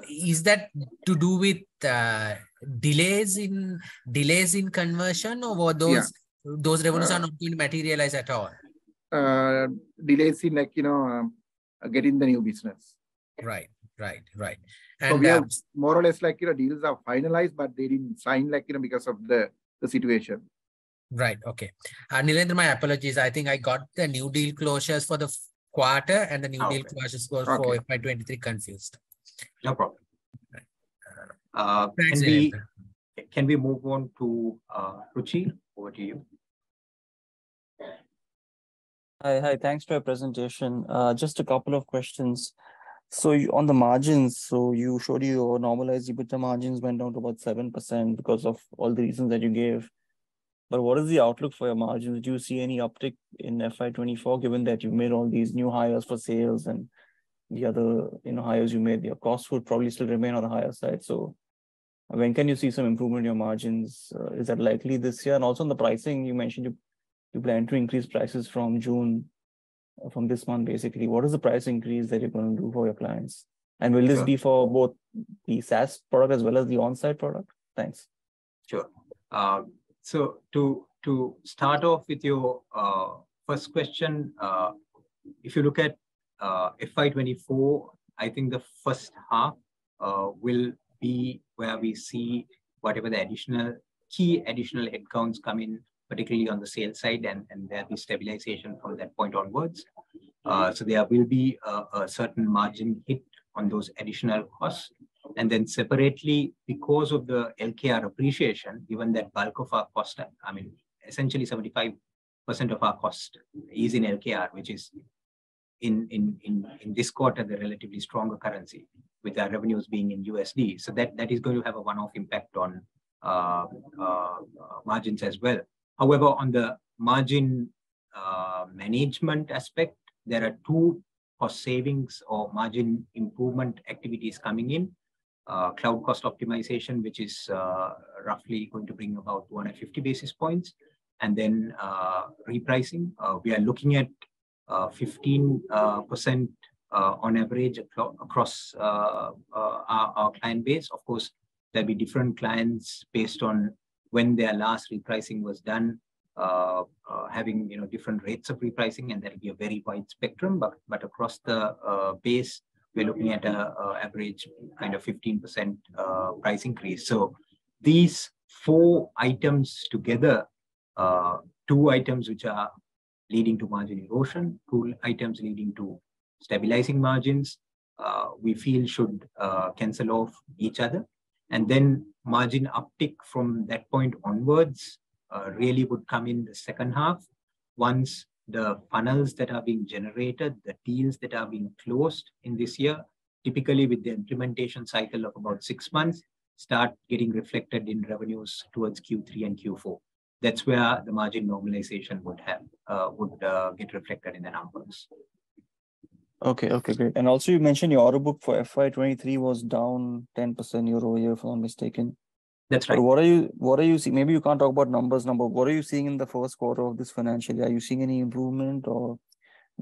Is that to do with, delays in conversion, or were those... Yeah those revenues are not been materialized at all? Delays in like, you know, getting the new business. Right, right. We have more or less like, you know, deals are finalized, but they didn't sign, like, you know, because of the situation. Right. Okay. Nilendra, my apologies. I think I got the new deal closures for the quarter. Okay And the new deal closures. Okay For FY 23 confused. No problem. Thanks, Nilendra. Can we move on to, Ruchi? Over to you. Hi, hi, thanks for your presentation. Just a couple of questions. On the margins, so you showed your normalized EBITDA margins went down to about 7% because of all the reasons that you gave, but what is the outlook for your margins? Do you see any uptick in FY 2024, given that you've made all these new hires for sales and the other, you know, hires you made? Your costs will probably still remain on the higher side. When can you see some improvement in your margins? Is that likely this year? Also, on the pricing, you mentioned you plan to increase prices from June, or from this month, basically. What is the price increase that you're going to do for your clients? Sure. Will this be for both the SaaS product as well as the onsite product? Thanks. Sure. To start off with your first question, if you look at FY 2024, I think the first half will be where we see whatever the additional, key additional headcounts come in, particularly on the sales side, and there'll be stabilization from that point onwards. There will be a certain margin hit on those additional costs. Separately, because of the LKR appreciation, given that bulk of our cost, I mean, essentially 75% of our cost is in LKR, which is in this quarter, the relatively stronger currency, with our revenues being in USD. That is going to have a one-off impact on margins as well. On the margin management aspect, there are two cost savings or margin improvement activities coming in.... Cloud cost optimization, which is roughly going to bring about 150 basis points, and then repricing. We are looking at 15% on average across our client base. Of course, there'll be different clients based on when their last repricing was done, having, you know, different rates of repricing, and there'll be a very wide spectrum. But across the base, we're looking at a average kind of 15% price increase. These four items together, two items which are leading to margin erosion, two items leading to stabilizing margins, we feel should cancel off each other. Then margin uptick from that point onwards, really would come in the second half. Once the funnels that are being generated, the deals that are being closed in this year, typically with the implementation cycle of about six months, start getting reflected in revenues towards Q3 and Q4. That's where the margin normalization would have, would get reflected in the numbers. Okay. Okay, great. Also, you mentioned your order book for FY 2023 was down 10% year-over-year, if I'm not mistaken. That's right. What are you seeing? Maybe you can't talk about numbers. What are you seeing in the first quarter of this financial year? Are you seeing any improvement, or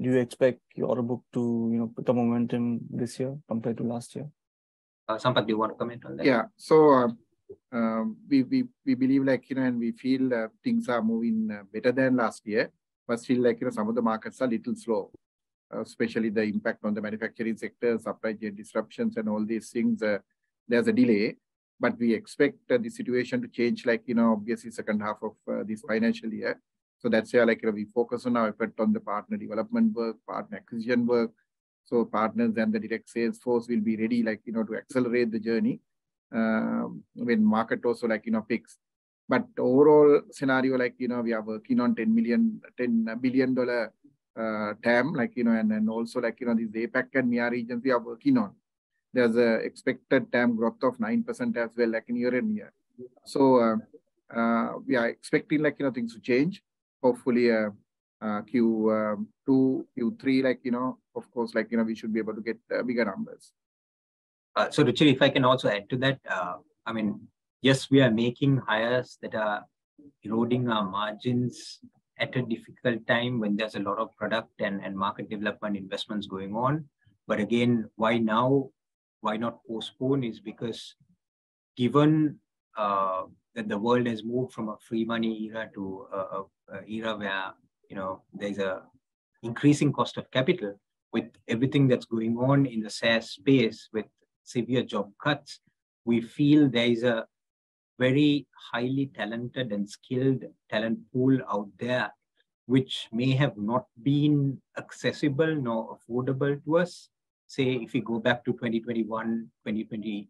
do you expect your order book to, you know, put the momentum this year compared to last year? Sampath, do you want to comment on that? Yeah. We believe, like, you know, and we feel that things are moving better than last year, but still, like, you know, some of the markets are a little slow, especially the impact on the manufacturing sector, supply chain disruptions, and all these things. There's a delay, but we expect the situation to change, like, you know, obviously second half of this financial year. That's where, like, you know, we focus on our effort on the partner development work, partner acquisition work, so partners and the direct sales force will be ready, like, you know, to accelerate the journey, when market also like, you know, picks. Overall scenario, like, you know, we are working on $10 billion TAM, like, you know, and then also like, you know, this APAC and MEA regions we are working on. There's a expected TAM growth of 9% as well, like in year and year. We are expecting, like, you know, things to change. Hopefully, Q2, Q3, like, you know, of course, like, you know, we should be able to get bigger numbers. Ruchi, if I can also add to that. I mean, yes, we are making hires that are eroding our margins at a difficult time when there's a lot of product and market development investments going on. Again, why now? Why not postpone? Is because given that the world has moved from a free money era to a era where, you know, there's a increasing cost of capital. With everything that's going on in the SaaS space, with severe job cuts, we feel there is a very highly talented and skilled talent pool out there, which may have not been accessible nor affordable to us. Say, if we go back to 2021, 2020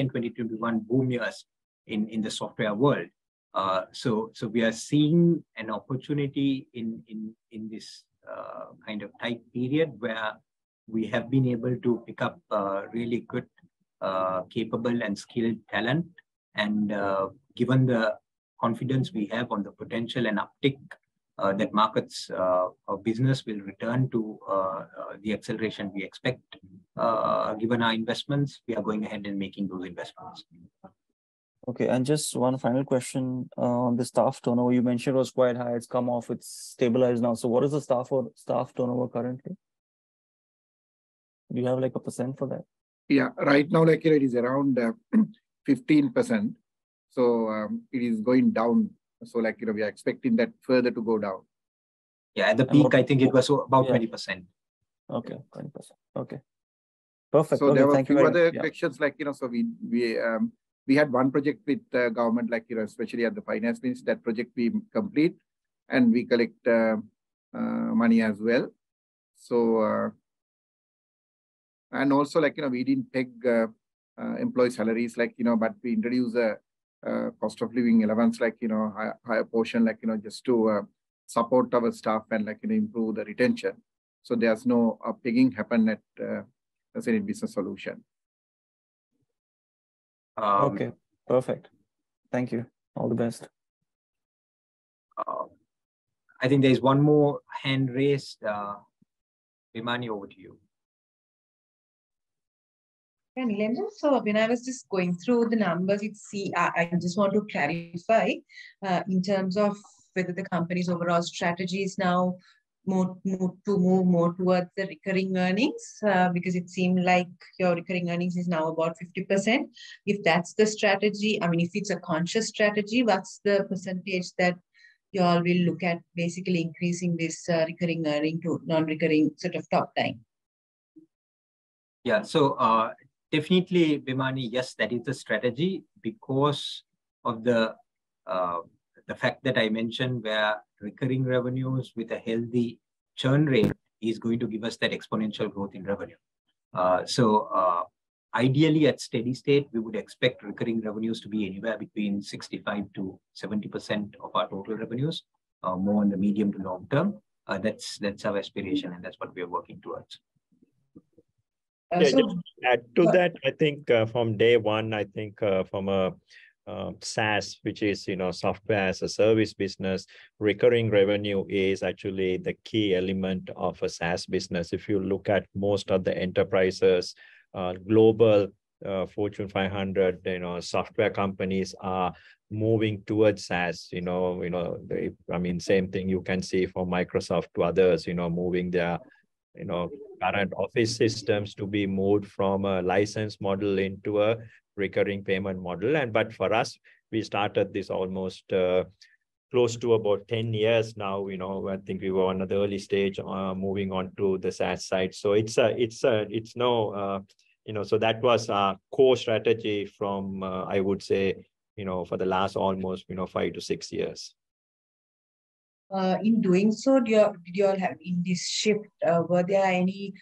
and 2021, boom years in the software world. We are seeing an opportunity in this kind of tight period where we have been able to pick up really good capable and skilled talent. Given the confidence we have on the potential and uptick that markets or business will return to the acceleration we expect given our investments, we are going ahead and making those investments. Okay, just one final question. The staff turnover you mentioned was quite high. It has come off, it has stabilized now. What is the staff or staff turnover currently? Do you have like a percent for that? Yeah. Right now, like, it is around 15%, so it is going down. Like, you know, we are expecting that further to go down. Yeah, at the peak, I think it was about 20%. Okay, 20%. Okay, perfect. There were a few other corrections, like, you know, we had one project with the government, like, you know, especially at the finance ministry. That project we complete, and we collect money as well. Like, you know, we didn't peg employee salaries, like, you know, but we introduced a cost of living allowance, like, you know, higher portion, like, you know, just to support our staff and, like, improve the retention. There's no pegging happen at, let's say, in business solution. Okay, perfect. Thank you. All the best. I think there is one more hand raised. Vimali, over to you. Yeah, Nilendra. When I was just going through the numbers, I just want to clarify, in terms of whether the company's overall strategy is now more to move more towards the recurring earnings, because it seemed like your recurring earnings is now about 50%. If that's the strategy, I mean, if it's a conscious strategy, what's the percentage that you all will look at basically increasing this recurring earning to non-recurring sort of top line? Yeah. Definitely, Vimali, yes, that is the strategy, because of the fact that I mentioned, where recurring revenues with a healthy churn rate is going to give us that exponential growth in revenue. Ideally, at steady state, we would expect recurring revenues to be anywhere between 65%-70% of our total revenues, more in the medium to long term. That's, that's our aspiration, and that's what we are working towards. To add to that, I think, from day one, I think, from a SaaS, which is, you know, software as a service business, recurring revenue is actually the key element of a SaaS business. If you look at most of the enterprises, global, Fortune 500, you know, software companies are moving towards SaaS, you know, I mean, same thing you can see from Microsoft to others, you know, moving their, you know, current office systems to be moved from a license model into a recurring payment model. But for us, we started this almost, close to about 10 years now, you know. I think we were on at the early stage, moving on to the SaaS side. It's a, it's no. You know, that was our core strategy from, I would say, you know, for the last almost, you know, five to six years. In doing so all have in this shift, were there any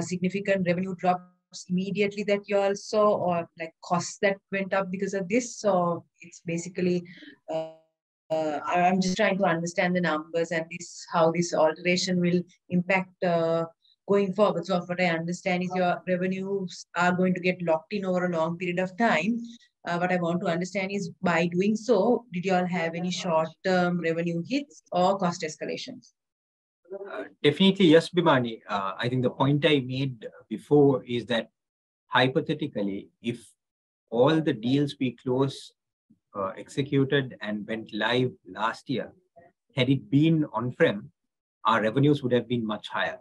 significant revenue drops immediately that you all saw, or like, costs that went up because of this? Or it's basically, I'm just trying to understand the numbers and how this alteration will impact going forward. What I understand is your revenues are going to get locked in over a long period of time. What I want to understand is, by doing so, did you all have any short-term revenue hits or cost escalations Definitely yes, Vimali. I think the point I made before is that, hypothetically, if all the deals we closed, executed, and went live last year, had it been On-Prem, our revenues would have been much higher.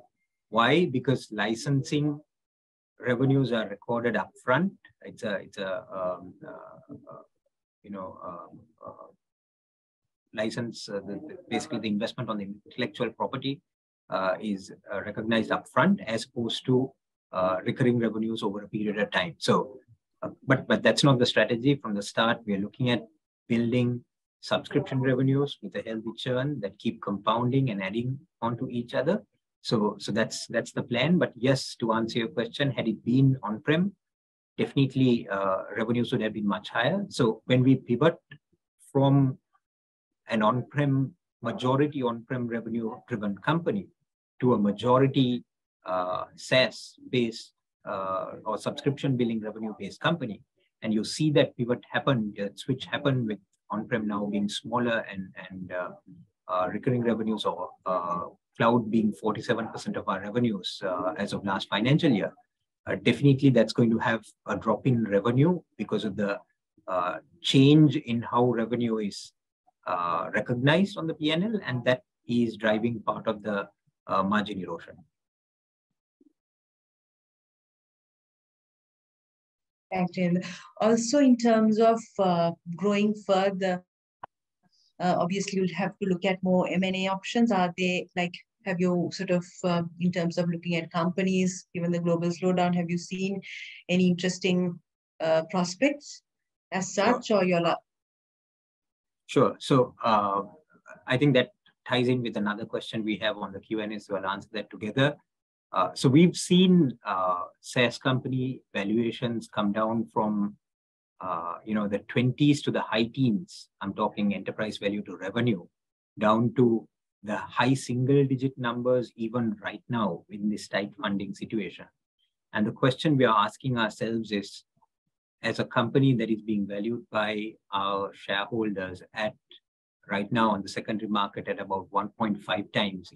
Why? Because licensing revenues are recorded upfront. It's a, you know, license, basically, the investment on the intellectual property, is recognized upfront, as opposed to recurring revenues over a period of time. But that's not the strategy. From the start, we are looking at building subscription revenues with a healthy churn that keep compounding and adding onto each other. That's the plan. Yes, to answer your question, had it been On-Prem, definitely, revenues would have been much higher. When we pivot from an On-Prem majority On-Prem revenue-driven company to a majority SaaS-based or subscription billing revenue-based company, and you'll see that pivot happen, switch happen with On-Prem now being smaller and recurring revenues or Cloud being 47% of our revenues as of last financial year. Definitely, that's going to have a drop in revenue because of the change in how revenue is recognized on the P&L, and that is driving part of the margin erosion. Thank you. Also, in terms of growing further, obviously, you'll have to look at more M&A options. Have you sort of, in terms of looking at companies, given the global slowdown, have you seen any interesting prospects as such, or you're not? Sure. I think that ties in with another question we have on the Q&A, I'll answer that together. We've seen SaaS company valuations come down from, you know, the twenties to the high teens. I'm talking enterprise value to revenue, down to the high single-digit numbers, even right now in this tight funding situation. The question we are asking ourselves is, as a company that is being valued by our shareholders at right now on the secondary market at about 1.5x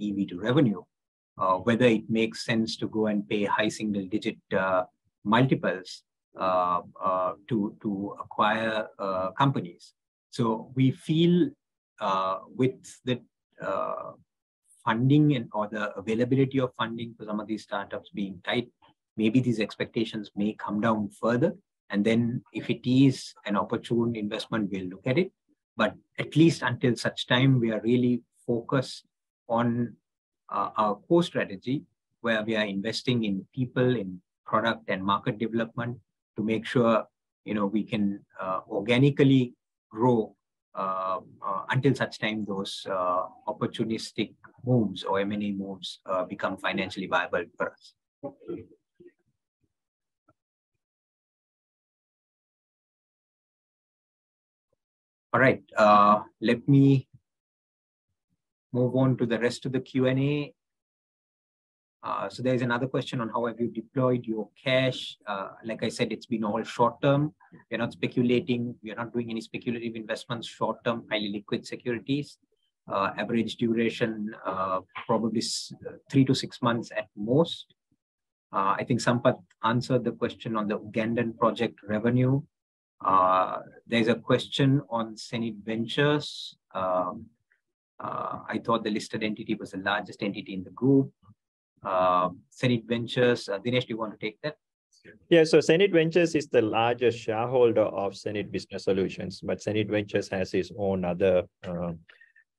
EV to revenue, whether it makes sense to go and pay high single-digit multiples to acquire companies. We feel with the funding or the availability of funding for some of these startups being tight, maybe these expectations may come down further, and then if it is an opportune investment, we'll look at it. At least until such time, we are really focused on our core strategy, where we are investing in people, in product and market development, to make sure, you know, we can organically grow until such time those opportunistic moves or M&A moves become financially viable for us. All right, let me move on to the rest of the Q&A. There's another question on how have you deployed your cash? Like I said, it's been all short term. We're not speculating. We are not doing any speculative investments, short-term, highly liquid securities. Average duration, probably three to six months at most. I think Sampath answered the question on the Ugandan project revenue. There's a question on hSenid Ventures. I thought the listed entity was the largest entity in the group. hSenid Ventures, Dinesh, do you want to take that? Yeah. hSenid Ventures is the largest shareholder of hSenid Business Solutions, but hSenid Ventures has its own other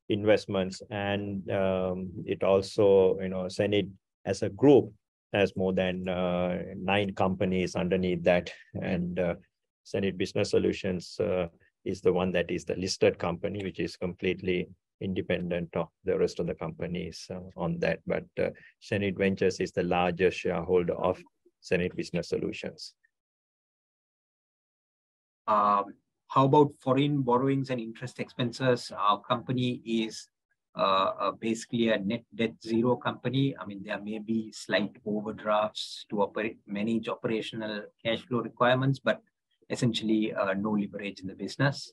investments. It also, you know, hSenid, as a group, has more than nine companies underneath that. hSenid Business Solutions is the one that is the listed company, which is completely independent of the rest of the companies on that. hSenid Ventures is the largest shareholder of hSenid Business Solutions. How about foreign borrowings and interest expenses? Our company is basically a net debt zero company. I mean, there may be slight overdrafts to manage operational cash flow requirements, but essentially, no leverage in the business.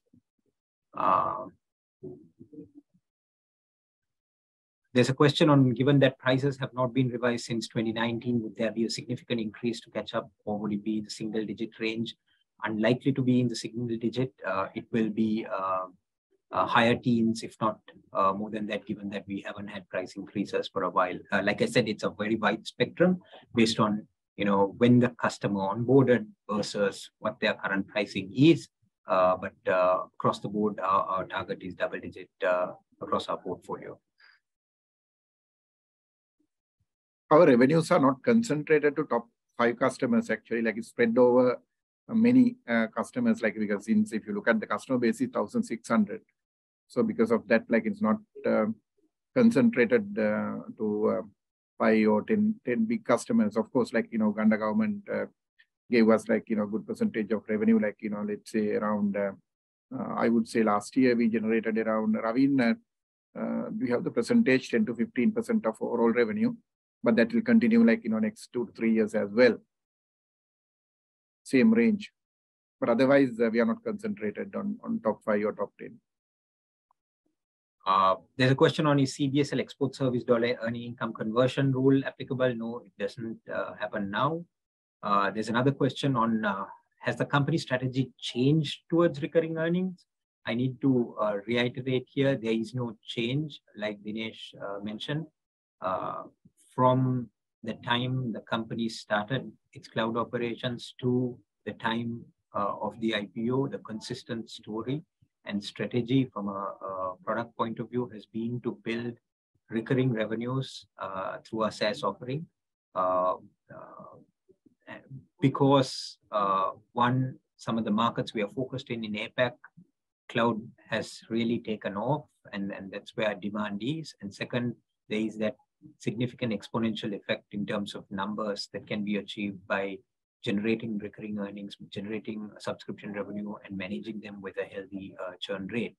There's a question on: Given that prices have not been revised since 2019, would there be a significant increase to catch up, or would it be in the single-digit range? Unlikely to be in the single digit. It will be higher teens, if not more than that, given that we haven't had price increases for a while. Like I said, it's a very wide spectrum based on, you know, when the customer onboarded versus what their current pricing is. Across the board, our target is double digit across our portfolio. Our revenues are not concentrated to top five customers, actually, like it's spread over many customers, like because since if you look at the customer base, it's 1,600. Because of that, like it's not concentrated to five or 10 big customers. Of course, like, you know, Uganda government gave us like, you know, good percentage of revenue, like, you know, let's say around. I would say last year, we generated around, I mean, we have the percentage, 10%-15% of overall revenue, but that will continue, like, you know, next two to three years as well. Same range, otherwise, we are not concentrated on top five or top 10. There's a question on, Is CBSL export service dollar earning income conversion rule applicable? No, it doesn't happen now. There's another question on: Has the company strategy changed towards recurring earnings? I need to reiterate here, there is no change, like Dinesh mentioned. From the time the company started its Cloud operations to the time of the IPO, the consistent story and strategy from a product point of view, has been to build recurring revenues through our SaaS offering. Because, one, some of the markets we are focused in APAC, Cloud has really taken off, and that's where demand is, and second, there is that significant exponential effect in terms of numbers that can be achieved by generating recurring earnings, generating subscription revenue, and managing them with a healthy churn rate.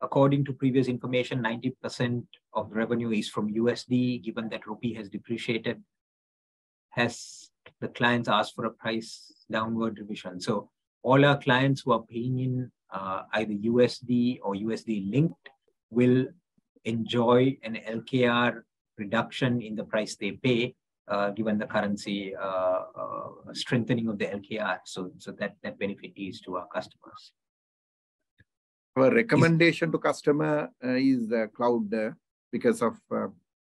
According to previous information, 90% of the revenue is from USD. Given that rupee has depreciated, has the clients asked for a price downward revision? All our clients who are paying in, either USD or USD linked will enjoy an LKR reduction in the price they pay, given the currency, strengthening of the LKR. That benefit is to our customers. Our recommendation to customer is the Cloud because of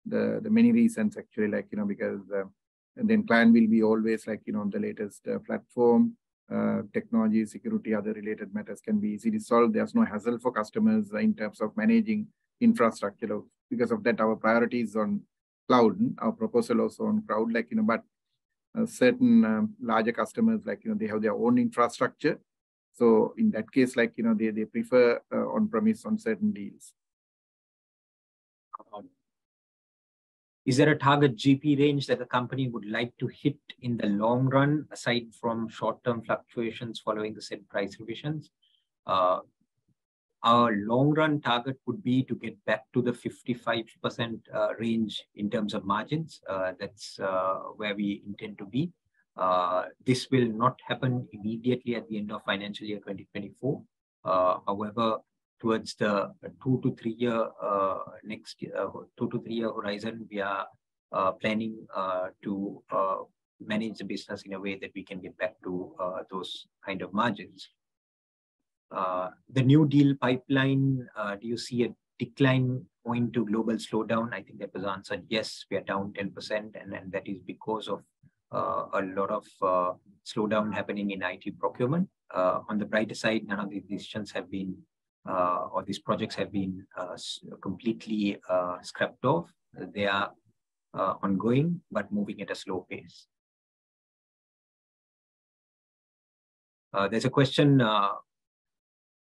the many reasons actually, like, you know, because then client will be always like, you know, on the latest platform, technology, security, other related matters can be easily solved. There's no hassle for customers in terms of managing infrastructure. Because of that, our priority is on Cloud. Our proposal also on Cloud, like, you know, but certain larger customers, like, you know, they have their own infrastructure. In that case, like, you know, they prefer On-Premise on certain deals. Is there a target GP range that the company would like to hit in the long run, aside from short-term fluctuations following the said price revisions? Our long-run target would be to get back to the 55% range in terms of margins. That's where we intend to be. This will not happen immediately at the end of financial year 2024. However, towards the two-three year, next year, two-three year horizon, we are planning to manage the business in a way that we can get back to those kind of margins. The new deal pipeline, do you see a decline owing to global slowdown? I think that was answered. Yes, we are down 10%, and that is because of a lot of slowdown happening in IT procurement. On the brighter side, none of these decisions have been or these projects have been completely scrapped off. They are ongoing, but moving at a slow pace. There's a question: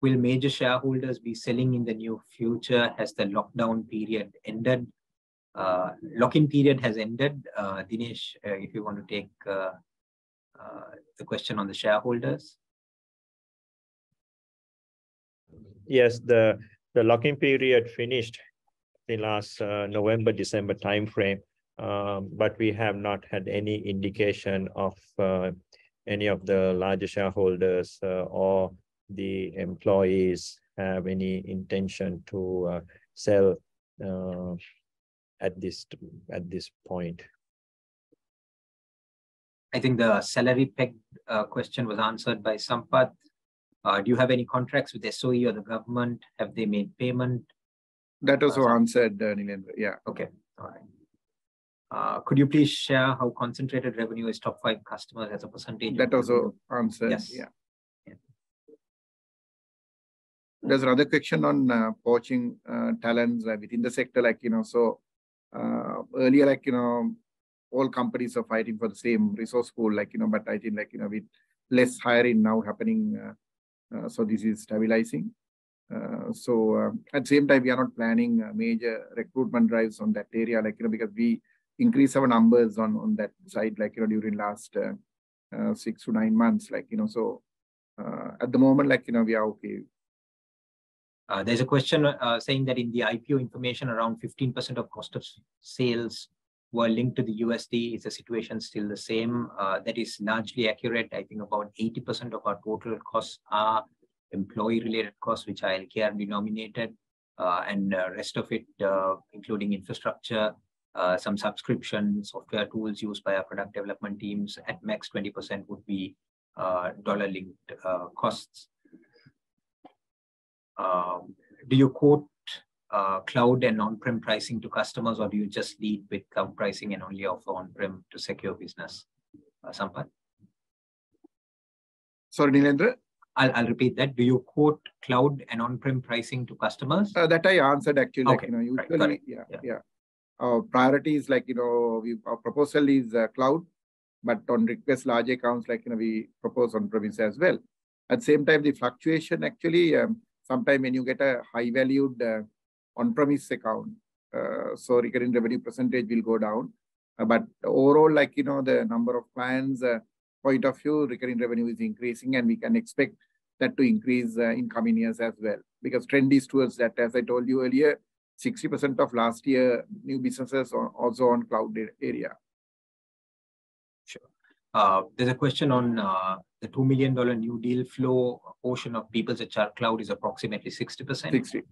Will major shareholders be selling in the near future as the lock-in period has ended? Dinesh, if you want to take the question on the shareholders. Yes, the lock-in period finished the last November-December timeframe, but we have not had any indication of any of the larger shareholders or the employees have any intention to sell at this point. I think the salary peg question was answered by Sampath. Do you have any contracts with SOE or the government? Have they made payment? That was answered, Nilendra. Yeah. Okay. All right. Could you please share how concentrated revenue is top five customers as a percentage? That also answered. Yes. Yeah. Yeah. There's another question on poaching talents within the sector. Like, you know, earlier, like, you know, all companies are fighting for the same resource pool, like, you know, but I think, like, you know, with less hiring now happening, this is stabilizing. At the same time, we are not planning a major recruitment drives on that area, like, you know, because we increased our numbers on that side, like, you know, during last six to nine months, like, you know. At the moment, like, you know, we are okay. There's a question saying that in the IPO information, around 15% of cost of sales were linked to the USD. Is the situation still the same? That is largely accurate. I think about 80% of our total costs are employee-related costs, which are LKR denominated. The rest of it, including infrastructure, some subscription software tools used by our product development teams, at max, 20% would be dollar-linked costs. Do you quote Cloud and On-Prem pricing to customers, or do you just lead with Cloud pricing and only offer On-Prem to secure business, Sampath? Sorry, Nilendra. I'll repeat that. Do you quote Cloud and On-Prem pricing to customers? That I answered, actually. Okay. You know. Got it. Yeah, yeah. Our priority is like, you know, our proposal is Cloud. On request, large accounts, like, you know, we propose On-Premise as well. At the same time, the fluctuation actually, sometime when you get a high-valued On-Premise account, so recurring revenue percentage will go down. Overall, like, you know, the number of clients point of view, recurring revenue is increasing, and we can expect that to increase in coming years as well. Trend is towards that. As I told you earlier, 60% of last year, new businesses are also on Cloud area. Sure. There's a question on the $2 million new deal flow portion of PeoplesHR Cloud is approximately 60%. Sixty.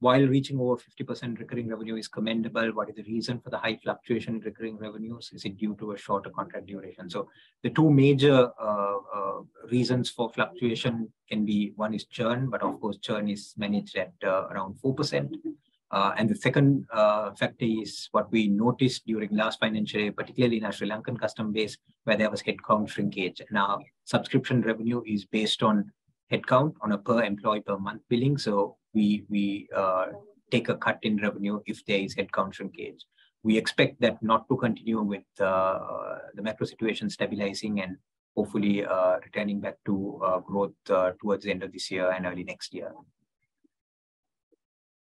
While reaching over 50% recurring revenue is commendable, what is the reason for the high fluctuation in recurring revenues? Is it due to a shorter contract duration? The two major reasons for fluctuation can be, one is churn, but of course, churn is managed at around 4%. The second factor is what we noticed during last financial year, particularly in our Sri Lankan customer base, where there was headcount shrinkage. Subscription revenue is based on headcount, on a per-employee, per-month billing, so we take a cut in revenue if there is headcount shrinkage. We expect that not to continue with the macro situation stabilizing and hopefully, returning back to growth towards the end of this year and early next year.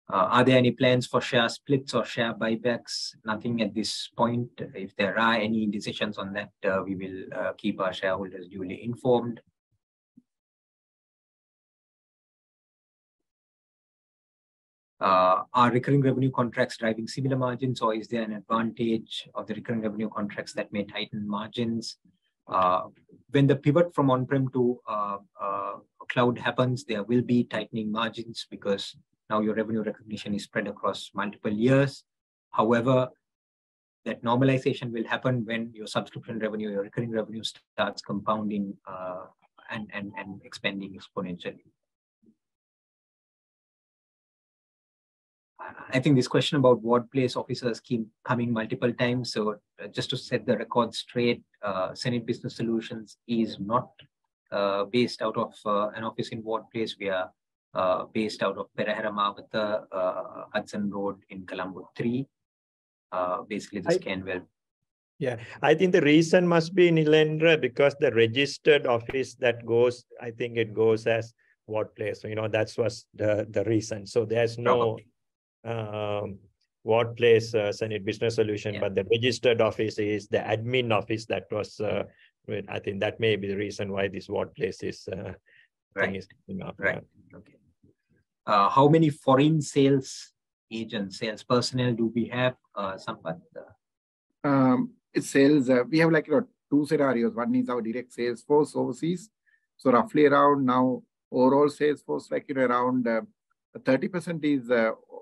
Are there any plans for share splits or share buybacks? Nothing at this point. If there are any decisions on that, we will keep our shareholders duly informed. Are recurring revenue contracts driving similar margins, or is there an advantage of the recurring revenue contracts that may tighten margins? When the pivot from On-Prem to Cloud happens, there will be tightening margins because now your revenue recognition is spread across multiple years. However, that normalization will happen when your subscription revenue, your recurring revenue, starts compounding and expanding exponentially. I think this question about workplace offices keep coming multiple times. Just to set the record straight, hSenid Business Solutions is not based out of an office in workplace. We are based out of Perahera Mawatha, Hudson Road in Colombo 3. Basically, this can Yeah, I think the reason must be, Nilendra, because the registered office that goes, I think it goes as workplace. You know, that was the reason. There's no. Okay. workplace, hSenid Business Solutions. Yeah. The registered office is the admin office. That was, well, I think that may be the reason why this workplace is... Right. Thing is, you know? Right. Okay. How many foreign sales agents, sales personnel do we have, Sampath? Sales, we have like two scenarios. One is our direct sales force overseas. Roughly around now, overall sales force, like around 30% is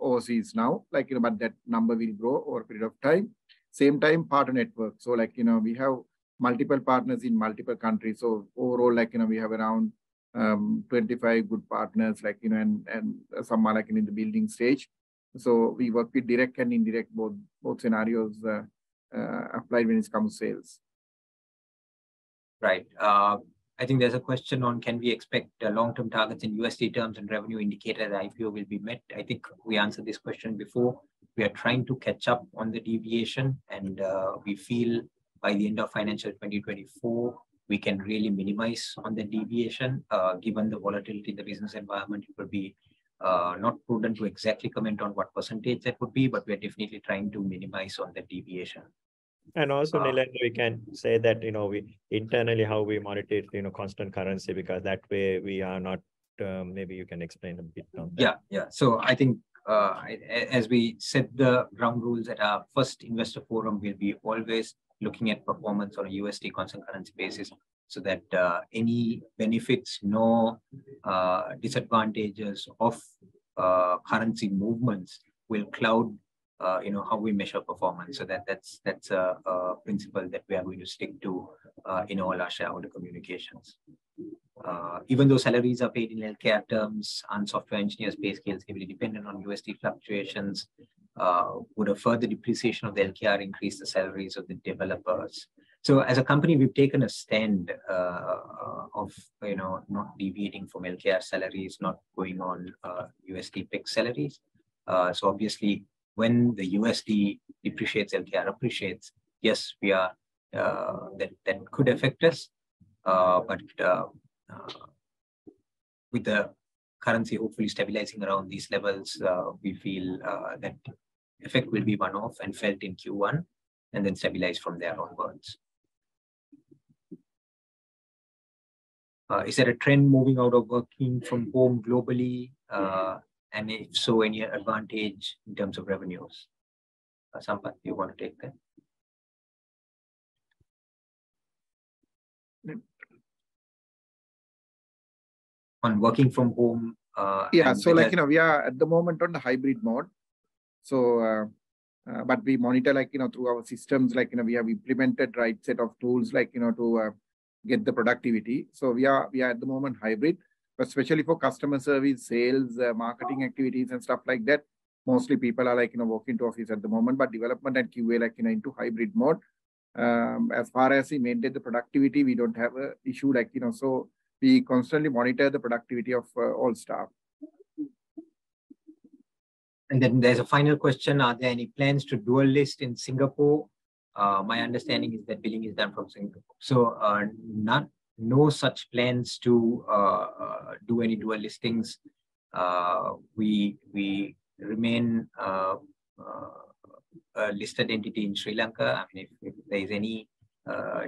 overseas now. Like, you know, that number will grow over a period of time. Same time, partner network. Like, you know, we have multiple partners in multiple countries. Overall, like, you know, we have around 25 good partners, like, you know, and some are like in the building stage. We work with direct and indirect, both scenarios applied when it comes to sales. Right. I think there's a question on: Can we expect long-term targets in USD terms and revenue indicator the IPO will be met? I think we answered this question before. We are trying to catch up on the deviation, and we feel by the end of financial 2024, we can really minimize on the deviation. Given the volatility in the business environment, it will be not prudent to exactly comment on what percentage that would be, but we are definitely trying to minimize on the deviation. also- Uh- Nilendra, we can say that, you know, we internally, how we monitor it, you know, constant currency, because that way we are not. Maybe you can explain a bit on that? Yeah, yeah. I think, as we set the ground rules at our first investor forum, we'll be always looking at performance on a USD constant currency basis, so that any benefits, no disadvantages of currency movements will Cloud, you know, how we measure performance. That's a principle that we are going to stick to in all our shareholder communications. Even though salaries are paid in LKR terms, and software engineers' base scales can be dependent on USD fluctuations, would a further depreciation of the LKR increase the salaries of the developers? As a company, we've taken a stand, of, you know, not deviating from LKR salaries, not going on USD-pegged salaries. Obviously, when the USD depreciates, LKR appreciates. Yes, we are, that could affect us. With the currency hopefully stabilizing around these levels, we feel that effect will be one-off and felt in Q1, and then stabilize from there onwards. Is there a trend moving out of working from home globally? If so, any advantage in terms of revenues? Sampath, you want to take that? On working from home. Yeah. Like, you know, we are at the moment on the hybrid mode. But we monitor, like, you know, through our systems. Like, you know, we have implemented right set of tools, like, you know, to get the productivity. We are, we are at the moment hybrid, but especially for customer service, sales, marketing activities, and stuff like that, mostly people are, like, you know, working to office at the moment. Development and QA, like, you know, into hybrid mode. As far as we maintain the productivity, we don't have a issue, like, you know. We constantly monitor the productivity of all staff. There's a final question: Are there any plans to do a list in Singapore? My understanding is that billing is done from Singapore. No such plans to do any dual listings. We remain a listed entity in Sri Lanka. I mean, if there is any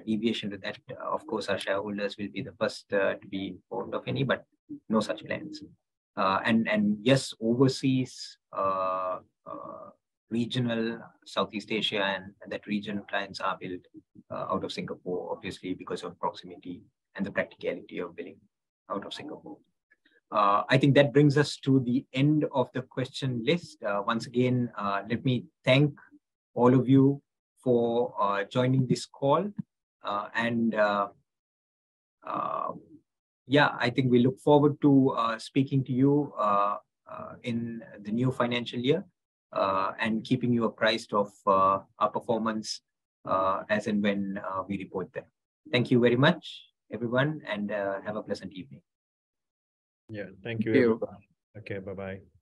deviation to that, of course, our shareholders will be the first to be informed of any, but no such plans. Yes, overseas, regional Southeast Asia and that region, clients are billed out of Singapore, obviously, because of proximity and the practicality of billing out of Singapore. I think that brings us to the end of the question list. Once again, let me thank all of you for joining this call. I think we look forward to, uh, speaking to you in the new financial year, and keeping you apprised of our performance as and when we report that. Thank you very much, everyone, and have a pleasant evening Yeah. Thank you, everyone. Thank you. Okay. Bye-bye.